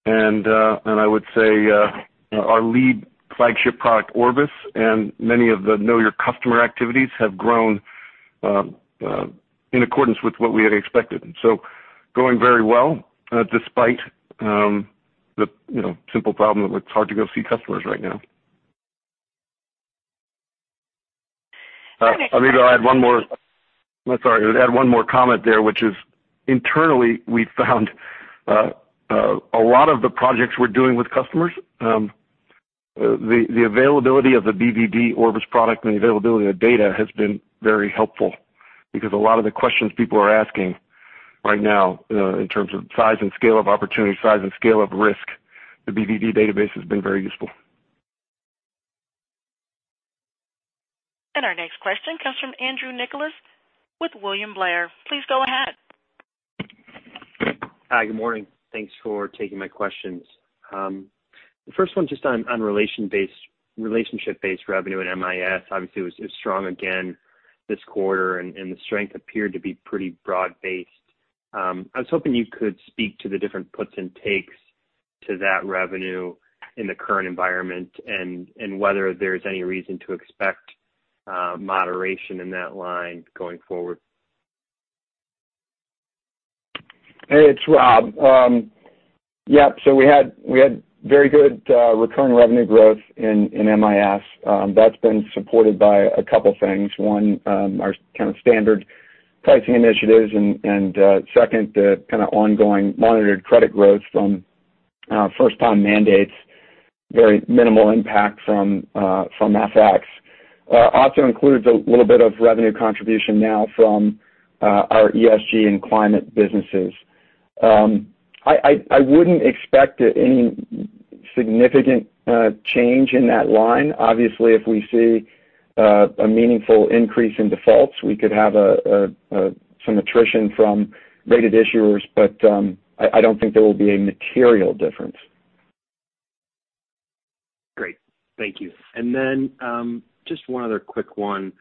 H: I would say our lead flagship product, Orbis, and many of the Know Your Customer activities have grown in accordance with what we had expected. Going very well, despite the simple problem of it's hard to go see customers right now.
A: Our next question.
H: I'm sorry. I would add one more comment there, which is internally, we found a lot of the projects we're doing with customers, the availability of the BvD Orbis product and the availability of data has been very helpful because a lot of the questions people are asking right now in terms of size and scale of opportunity, size and scale of risk, the BvD database has been very useful.
A: Our next question comes from Andrew Nicholas with William Blair. Please go ahead.
J: Hi. Good morning. Thanks for taking my questions. The first one just on relationship-based revenue in MIS. Obviously, it was strong again this quarter, and the strength appeared to be pretty broad-based. I was hoping you could speak to the different puts and takes to that revenue in the current environment and whether there's any reason to expect moderation in that line going forward.
F: Hey, it's Rob. Yep. We had very good recurring revenue growth in MIS. That's been supported by a couple things. One, our kind of standard pricing initiatives, and second, the kind of ongoing monitored credit growth from first-time mandates, very minimal impact from FX. Also includes a little bit of revenue contribution now from our ESG and climate businesses. I wouldn't expect any significant change in that line. Obviously, if we see a meaningful increase in defaults, we could have some attrition from rated issuers, but I don't think there will be a material difference.
J: Great. Thank you. Just one other quick one.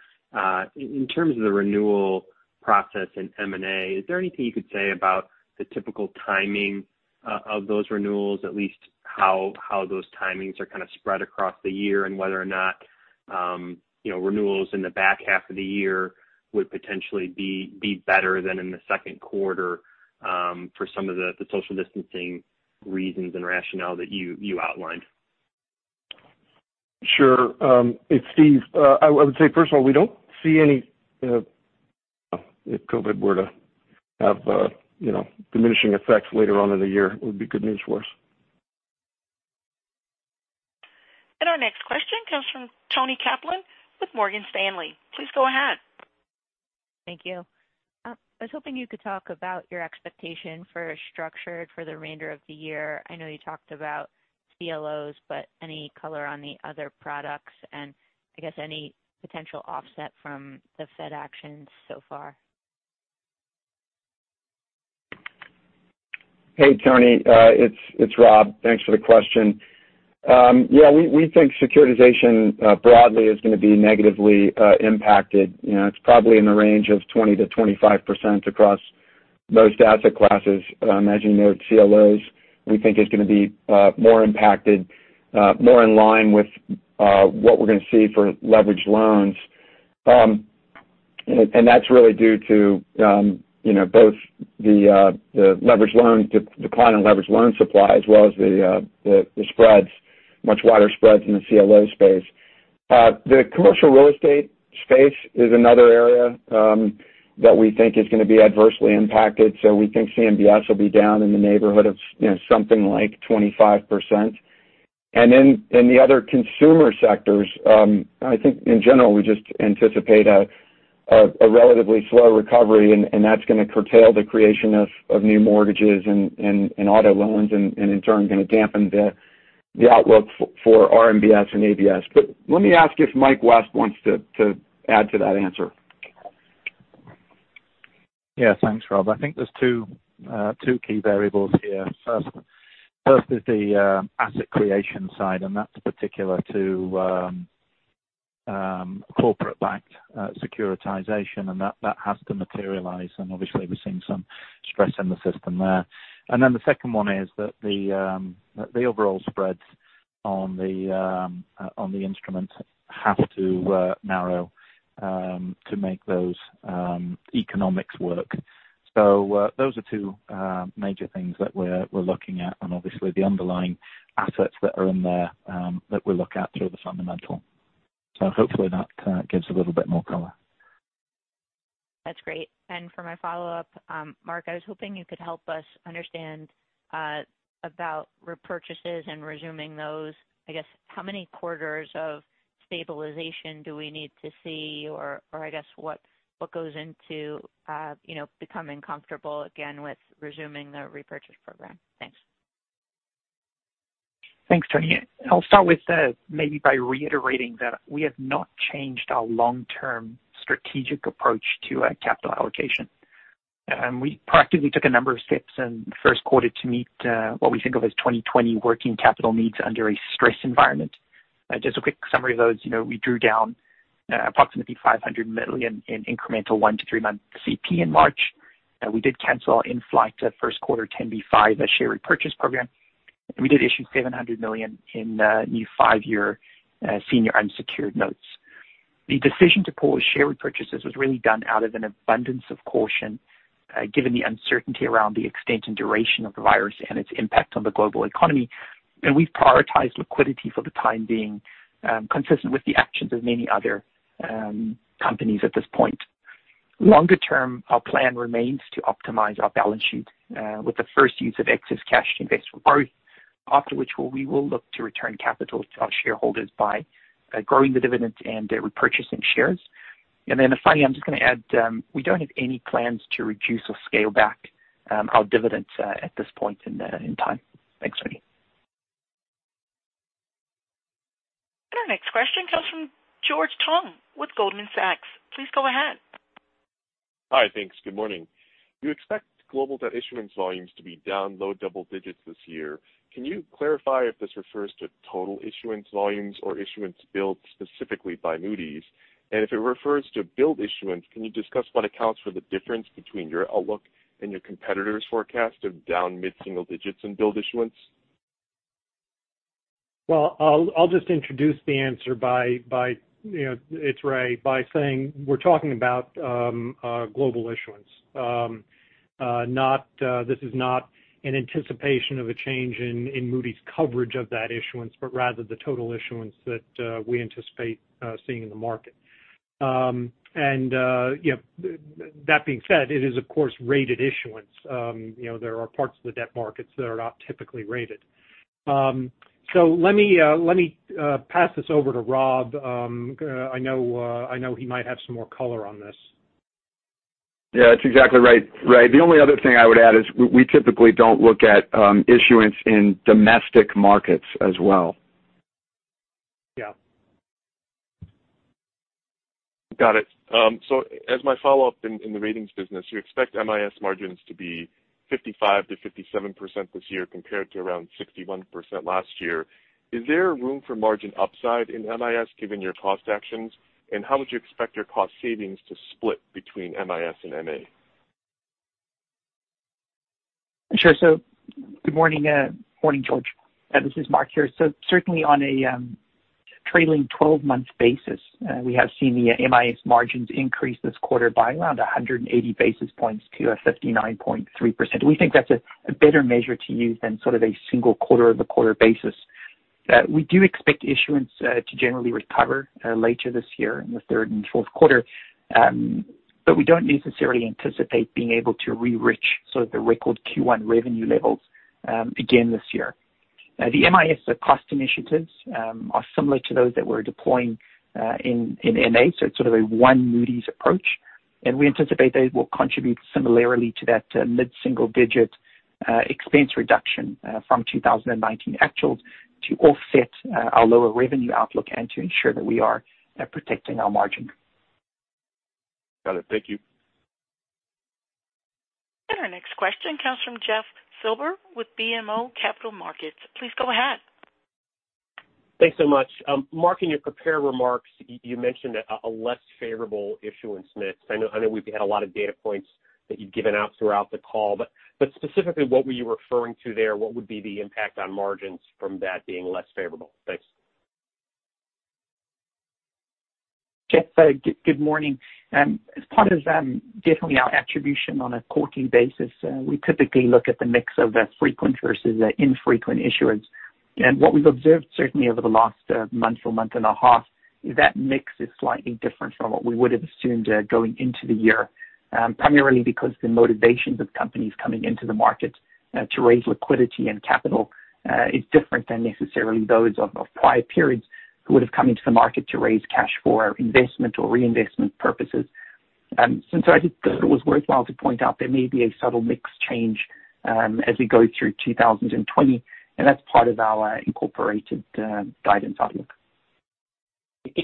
J: In terms of the renewal process in M&A, is there anything you could say about the typical timing of those renewals, at least how those timings are kind of spread across the year and whether or not renewals in the back half of the year would potentially be better than in the second quarter for some of the social distancing reasons and rationale that you outlined?
H: Sure. It's Steve. I would say, first of all, if COVID were to have diminishing effects later on in the year, it would be good news for us.
A: Our next question comes from Toni Kaplan with Morgan Stanley. Please go ahead.
K: Thank you. I was hoping you could talk about your expectation for structured for the remainder of the year. I know you talked about CLOs, but any color on the other products and I guess any potential offset from the Fed actions so far?
F: Hey, Toni. It's Rob. Thanks for the question. Yeah, we think securitization broadly is going to be negatively impacted. It's probably in the range of 20%-25% across most asset classes. As you note, CLOs, we think, is going to be more impacted, more in line with what we're going to see for leveraged loans. That's really due to both the decline in leveraged loan supply as well as the spreads, much wider spreads in the CLO space. The commercial real estate space is another area that we think is going to be adversely impacted. We think CMBS will be down in the neighborhood of something like 25%. In the other consumer sectors, I think in general, we just anticipate a relatively slow recovery, and that's going to curtail the creation of new mortgages and auto loans and in turn going to dampen the outlook for RMBS and ABS. Let me ask if Mike West wants to add to that answer.
L: Yeah. Thanks, Rob. I think there's two key variables here. First is the asset creation side, and that's particular to corporate-backed securitization, and that has to materialize, and obviously we're seeing some stress in the system there. The second one is that the overall spreads on the instruments have to narrow to make those economics work. Those are two major things that we're looking at, and obviously the underlying assets that are in there that we look at through the fundamental. Hopefully that gives a little bit more color.
K: That's great. For my follow-up, Mark, I was hoping you could help us understand about repurchases and resuming those. I guess, how many quarters of stabilization do we need to see or, I guess, what goes into becoming comfortable again with resuming the repurchase program? Thanks.
D: Thanks, Toni. I'll start by reiterating that we have not changed our long-term strategic approach to capital allocation. We practically took a number of steps in the first quarter to meet what we think of as 2020 working capital needs under a stress environment. Just a quick summary of those, we drew down approximately $500 million in incremental one to three-month CP in March. We did cancel in-flight first quarter 10b5-1 share repurchase program. We did issue $700 million in new five-year senior unsecured notes. The decision to pull share repurchases was really done out of an abundance of caution, given the uncertainty around the extent and duration of the virus and its impact on the global economy. We've prioritized liquidity for the time being, consistent with the actions of many other companies at this point. Longer term, our plan remains to optimize our balance sheet with the first use of excess cash to invest for growth, after which we will look to return capital to our shareholders by growing the dividend and repurchasing shares. Finally, I'm just going to add, we don't have any plans to reduce or scale back our dividends at this point in time. Thanks, Toni.
A: Our next question comes from George Tong with Goldman Sachs. Please go ahead.
M: Hi. Thanks. Good morning. You expect global debt issuance volumes to be down low-double digits this year. Can you clarify if this refers to total issuance volumes or issuance rated specifically by Moody's? And if it refers to rated issuance, can you discuss what accounts for the difference between your outlook and your competitors' forecast of down mid-single digits in rated issuance?
C: Well, I'll just introduce the answer by saying we're talking about global issuance. This is not an anticipation of a change in Moody's coverage of that issuance, but rather the total issuance that we anticipate seeing in the market. That being said, it is, of course, rated issuance. There are parts of the debt markets that are not typically rated. Let me pass this over to Rob. I know he might have some more color on this.
F: Yeah, that's exactly right, Ray. The only other thing I would add is we typically don't look at issuance in domestic markets as well.
C: Yeah.
M: Got it. As my follow-up in the ratings business, you expect MIS margins to be 55%-57% this year compared to around 61% last year. Is there room for margin upside in MIS given your cost actions? How would you expect your cost savings to split between MIS and MA?
D: Sure. Good morning, George. This is Mark here. Certainly on a trailing 12-month basis, we have seen the MIS margins increase this quarter by around 180 basis points to 59.3%. We think that's a better measure to use than sort of a single quarter-over-quarter basis. We do expect issuance to generally recover later this year in the third and fourth quarter, but we don't necessarily anticipate being able to re-reach sort of the record Q1 revenue levels again this year. The MIS cost initiatives are similar to those that we're deploying in MA, so it's sort of a one Moody's approach, and we anticipate those will contribute similarly to that mid-single-digit expense reduction from 2019 actuals. To offset our lower revenue outlook and to ensure that we are protecting our margin.
M: Got it. Thank you.
A: Our next question comes from Jeff Silber with BMO Capital Markets. Please go ahead.
N: Thanks so much. Mark, in your prepared remarks, you mentioned a less favorable issuance mix. Specifically, what were you referring to there? What would be the impact on margins from that being less favorable? Thanks.
D: Jeff, good morning. As part of giving our attribution on a quarterly basis, we typically look at the mix of frequent versus infrequent issuance. What we've observed certainly over the last month or month and a half, is that mix is slightly different from what we would have assumed going into the year. Primarily because the motivations of companies coming into the market to raise liquidity and capital is different than necessarily those of prior periods who would have come into the market to raise cash for investment or reinvestment purposes. Since I think that it was worthwhile to point out there may be a subtle mix change as we go through 2020, and that's part of our incorporated guidance outlook.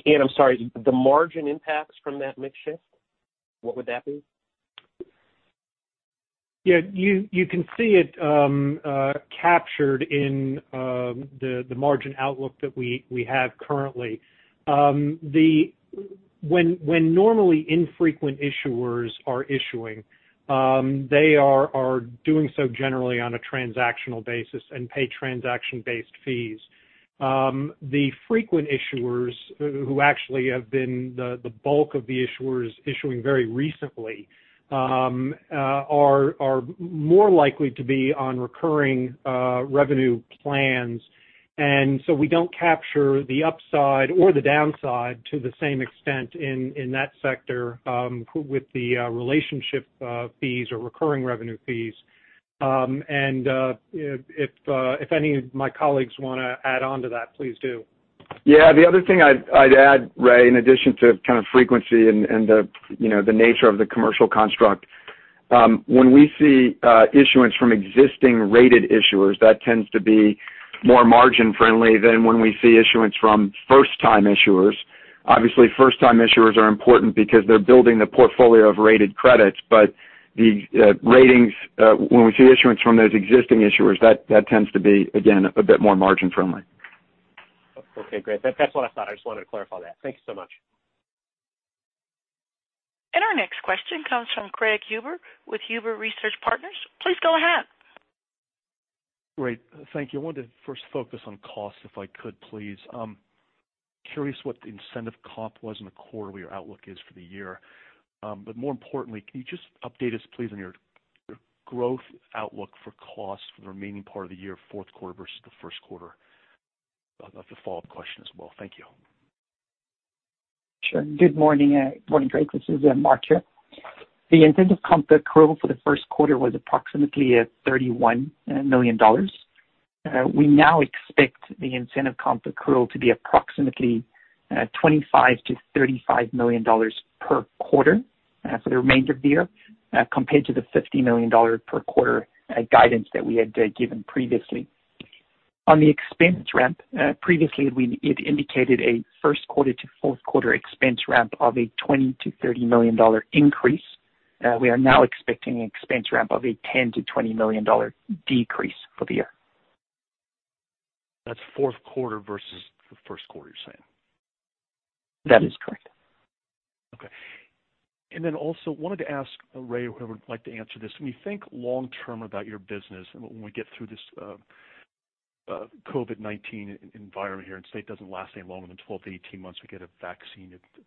N: I'm sorry, the margin impacts from that mix shift, what would that be?
C: Yeah, you can see it captured in the margin outlook that we have currently. When normally infrequent issuers are issuing, they are doing so generally on a transactional basis and pay transaction-based fees. The frequent issuers who actually have been the bulk of the issuers issuing very recently are more likely to be on recurring revenue plans. We don't capture the upside or the downside to the same extent in that sector with the relationship fees or recurring revenue fees. If any of my colleagues want to add on to that, please do.
F: Yeah, the other thing I'd add, Ray, in addition to kind of frequency and the nature of the commercial construct. When we see issuance from existing rated issuers, that tends to be more margin friendly than when we see issuance from first-time issuers. Obviously, first-time issuers are important because they're building the portfolio of rated credits. The ratings, when we see issuance from those existing issuers, that tends to be, again, a bit more margin friendly.
N: Okay, great. That's what I thought. I just wanted to clarify that. Thank you so much.
A: Our next question comes from Craig Huber with Huber Research Partners. Please go ahead.
O: Great. Thank you. I wanted to first focus on costs, if I could please. I'm curious what the incentive comp was in the quarter, what your outlook is for the year. More importantly, can you just update us, please, on your growth outlook for costs for the remaining part of the year, fourth quarter versus the first quarter? I'd like a follow-up question as well. Thank you.
D: Sure. Good morning, Craig. This is Mark here. The incentive comp accrual for the first quarter was approximately $31 million. We now expect the incentive comp accrual to be approximately $25 million-$35 million per quarter for the remainder of the year, compared to the $50 million per quarter guidance that we had given previously. On the expense ramp, previously, we had indicated a first quarter to fourth quarter expense ramp of a $20 million-$30 million increase. We are now expecting an expense ramp of a $10 million-$20 million decrease for the year.
O: That's fourth quarter versus the first quarter, you're saying?
D: That is correct.
O: Also wanted to ask Ray, whoever would like to answer this. When you think long term about your business and when we get through this COVID-19 environment here and say it doesn't last any longer than 12-18 months, we get a vaccine, the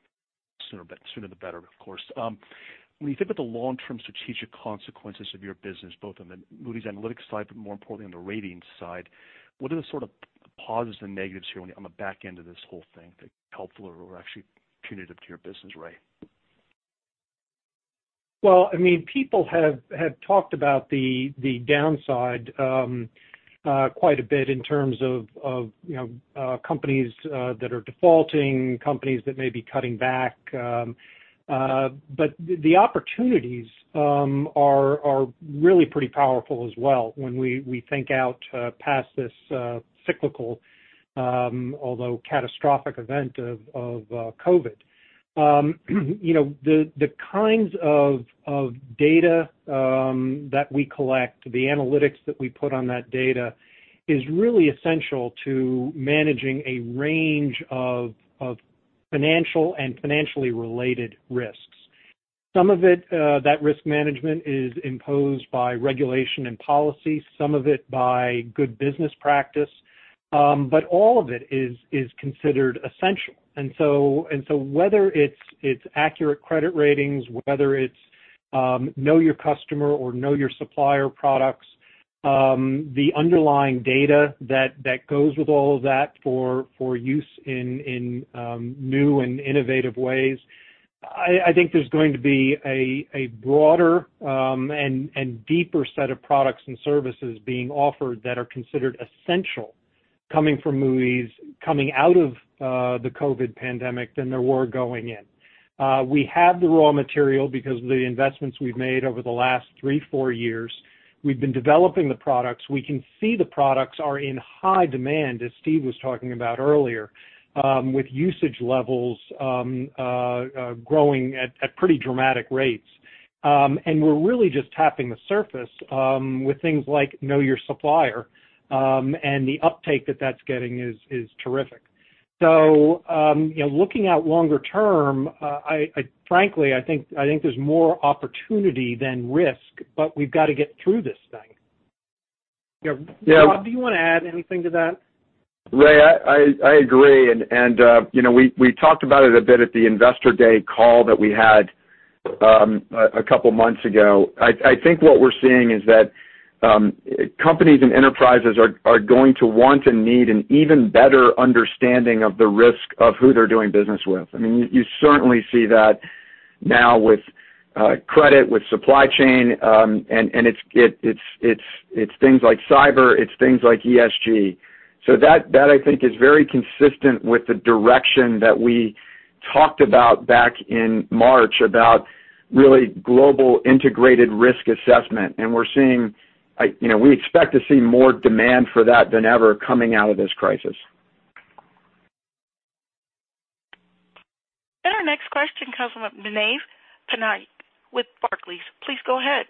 O: sooner the better, of course. When you think about the long-term strategic consequences of your business, both on the Moody's Analytics side, but more importantly on the ratings side, what are the sort of positives and negatives here on the back end of this whole thing that are helpful or actually punitive to your business, Ray?
C: People have talked about the downside quite a bit in terms of companies that are defaulting, companies that may be cutting back. The opportunities are really pretty powerful as well when we think out past this cyclical, although catastrophic event of COVID-19. The kinds of data that we collect, the analytics that we put on that data is really essential to managing a range of financial and financially related risks. Some of that risk management is imposed by regulation and policy, some of it by good business practice. All of it is considered essential. Whether it's accurate credit ratings, whether it's Know Your Customer or Know Your Supplier products, the underlying data that goes with all of that for use in new and innovative ways, I think there's going to be a broader and deeper set of products and services being offered that are considered essential coming from Moody's, coming out of the COVID-19 pandemic than there were going in. We have the raw material because of the investments we've made over the last three, four years. We've been developing the products. We can see the products are in high demand, as Steve was talking about earlier, with usage levels growing at pretty dramatic rates. We're really just tapping the surface with things like Know Your Supplier, and the uptake that that's getting is terrific. Looking out longer term, frankly, I think there's more opportunity than risk, but we've got to get through this thing. Rob, do you want to add anything to that?
F: Ray, I agree. We talked about it a bit at the Investor Day call that we had a couple of months ago. I think what we're seeing is that companies and enterprises are going to want and need an even better understanding of the risk of who they're doing business with. You certainly see that now with credit, with supply chain, and it's things like cyber, it's things like ESG. That I think is very consistent with the direction that we talked about back in March about really global integrated risk assessment. We expect to see more demand for that than ever coming out of this crisis.
A: Our next question comes from Manav Patnaik with Barclays. Please go ahead.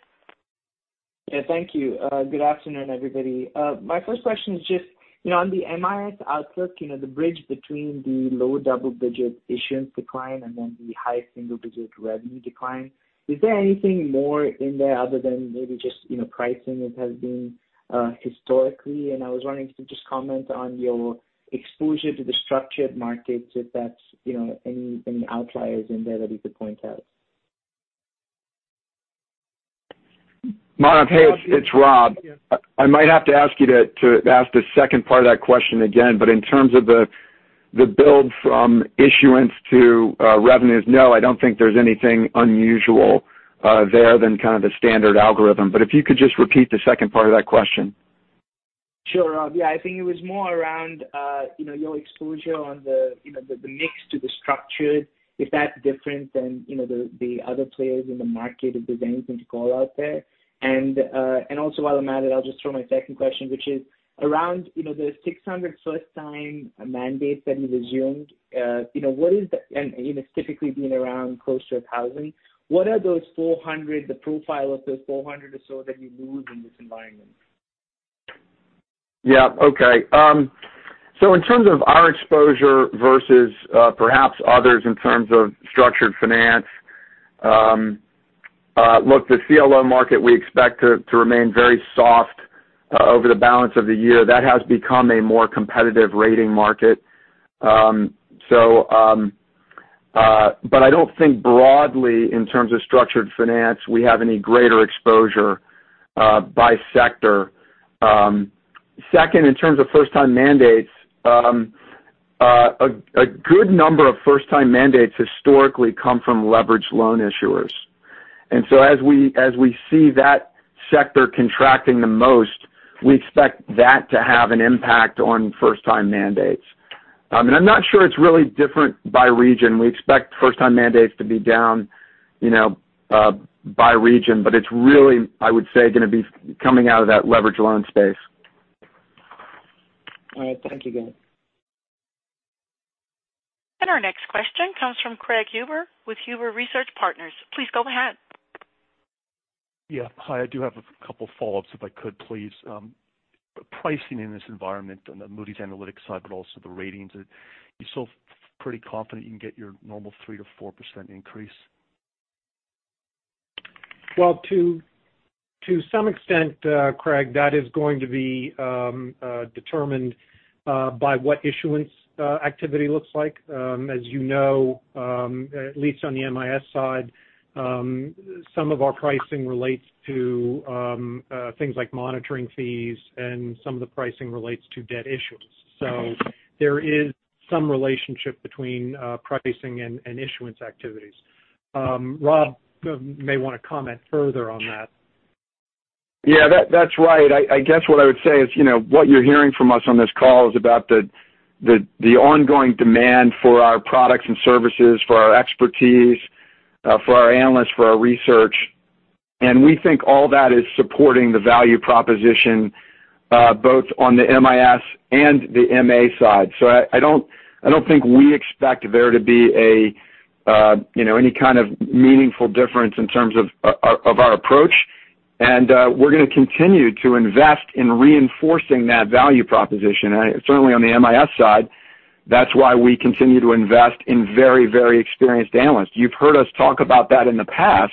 P: Yeah. Thank you. Good afternoon, everybody. My first question is just on the MIS outlook, the bridge between the low double-digit issuance decline and the high single-digit revenue decline. Is there anything more in there other than maybe just pricing as has been historically? I was wondering if you could just comment on your exposure to the structured markets, if that's any outliers in there that you could point out.
F: Manav, hey, it's Rob. I might have to ask you to ask the second part of that question again, but in terms of the build from issuance to revenues, no, I don't think there's anything unusual there than kind of the standard algorithm. If you could just repeat the second part of that question.
P: Sure, Rob. Yeah, I think it was more around your exposure on the mix to the structured, if that's different than the other players in the market, if there's anything to call out there. Also while I'm at it, I'll just throw my second question, which is around the 600 first time mandate that you resumed. It's typically been around close to a thousand. What are those 400, the profile of those 400 or so that you lose in this environment?
F: Yeah. Okay. In terms of our exposure versus perhaps others in terms of structured finance. Look, the CLO market, we expect to remain very soft over the balance of the year. That has become a more competitive rating market. I don't think broadly in terms of structured finance, we have any greater exposure by sector. Second, in terms of first time mandates, a good number of first time mandates historically come from leverage loan issuers. As we see that sector contracting the most, we expect that to have an impact on first time mandates. I'm not sure it's really different by region. We expect first time mandates to be down by region, but it's really, I would say, going to be coming out of that leverage loan space.
P: All right. Thank you, guys.
A: Our next question comes from Craig Huber with Huber Research Partners. Please go ahead.
O: Yeah. Hi, I do have a couple follow-ups if I could, please. Pricing in this environment on the Moody's Analytics side, but also the ratings, are you still pretty confident you can get your normal 3%-4% increase?
C: Well, to some extent, Craig, that is going to be determined by what issuance activity looks like. As you know, at least on the MIS side, some of our pricing relates to things like monitoring fees, and some of the pricing relates to debt issuance. There is some relationship between pricing and issuance activities. Rob may want to comment further on that.
F: Yeah, that's right. I guess what I would say is what you're hearing from us on this call is about the ongoing demand for our products and services, for our expertise, for our analysts, for our research. We think all that is supporting the value proposition both on the MIS and the MA side. I don't think we expect there to be any kind of meaningful difference in terms of our approach. We're going to continue to invest in reinforcing that value proposition. Certainly on the MIS side, that's why we continue to invest in very experienced analysts. You've heard us talk about that in the past,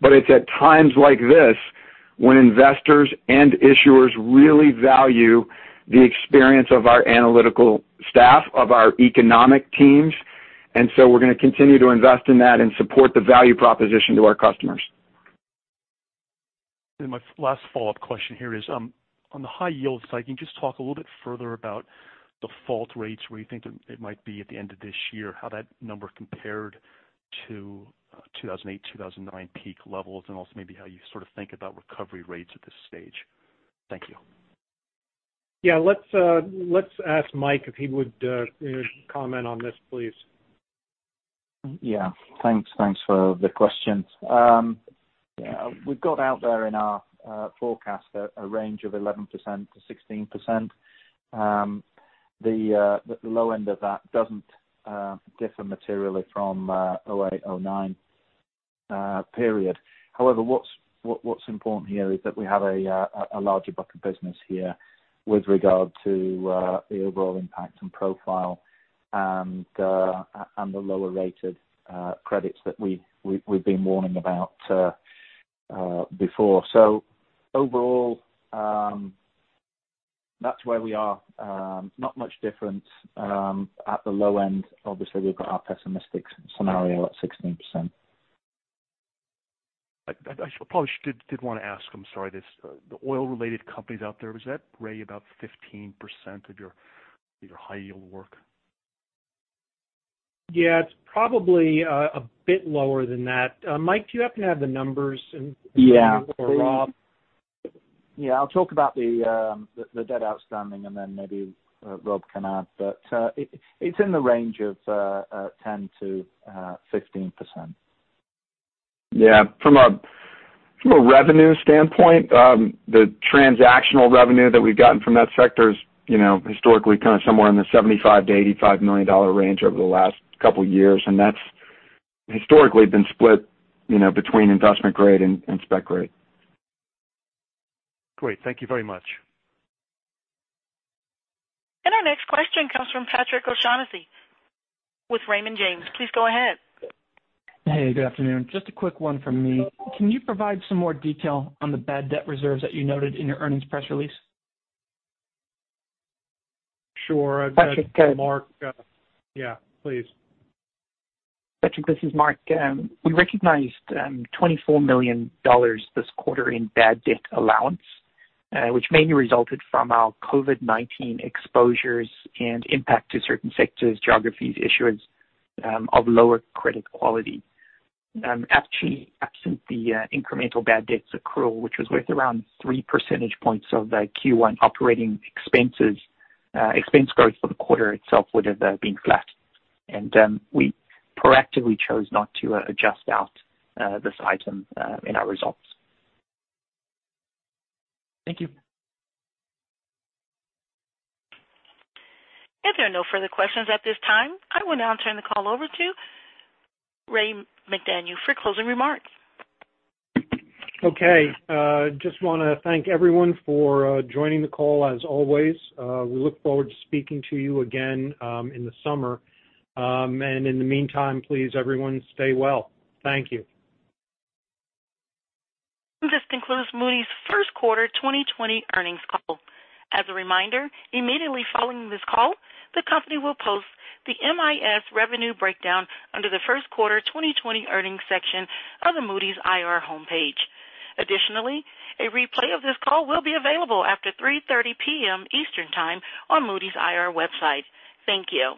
F: but it's at times like this when investors and issuers really value the experience of our analytical staff, of our economic teams, and so we're going to continue to invest in that and support the value proposition to our customers.
O: My last follow-up question here is, on the high yield side, can you just talk a little bit further about default rates, where you think it might be at the end of this year, how that number compared to 2008, 2009 peak levels, and also maybe how you sort of think about recovery rates at this stage. Thank you.
C: Let's ask Mike if he would comment on this, please.
L: Yeah, thanks for the questions. We've got out there in our forecast a range of 11%-16%. The low end of that doesn't differ materially from 2008, 2009 period. What's important here is that we have a larger book of business here with regard to the overall impact and profile and the lower-rated credits that we've been warning about before. Overall, that's where we are. Not much different at the low end. Obviously, we've got our pessimistic scenario at 16%.
O: I probably should, did want to ask, I'm sorry, this. The oil-related companies out there, was that, Ray, about 15% of your high yield work?
C: Yeah, it's probably a bit lower than that. Mike, do you happen to have the numbers?
L: Yeah.
C: Rob?
L: Yeah. I'll talk about the debt outstanding and then maybe Rob can add. It's in the range of 10%-16%.
F: Yeah. From a revenue standpoint, the transactional revenue that we've gotten from that sector is historically kind of somewhere in the $75 million-$85 million range over the last couple of years. That's historically been split between investment grade and spec grade.
O: Great. Thank you very much.
A: Our next question comes from Patrick O'Shaughnessy with Raymond James. Please go ahead.
Q: Hey, good afternoon. Just a quick one from me. Can you provide some more detail on the bad debt reserves that you noted in your earnings press release?
C: Sure.
D: Patrick.
C: Mark. Yeah, please.
D: Patrick, this is Mark. We recognized $24 million this quarter in bad debt allowance, which mainly resulted from our COVID-19 exposures and impact to certain sectors, geographies, issuers of lower credit quality. Actually, absent the incremental bad debts accrual, which was worth around 3 percentage points of the Q1 operating expenses, expense growth for the quarter itself would have been flat. We proactively chose not to adjust out this item in our results. Thank you.
A: If there are no further questions at this time, I will now turn the call over to Ray McDaniel for closing remarks.
C: Okay. Just want to thank everyone for joining the call as always. We look forward to speaking to you again in the summer. In the meantime, please, everyone, stay well. Thank you.
A: This concludes Moody's first quarter 2020 earnings call. As a reminder, immediately following this call, the company will post the MIS revenue breakdown under the first quarter 2020 earnings section of the Moody's IR homepage. Additionally, a replay of this call will be available after 3:30 P.M. Eastern time on Moody's IR website. Thank you.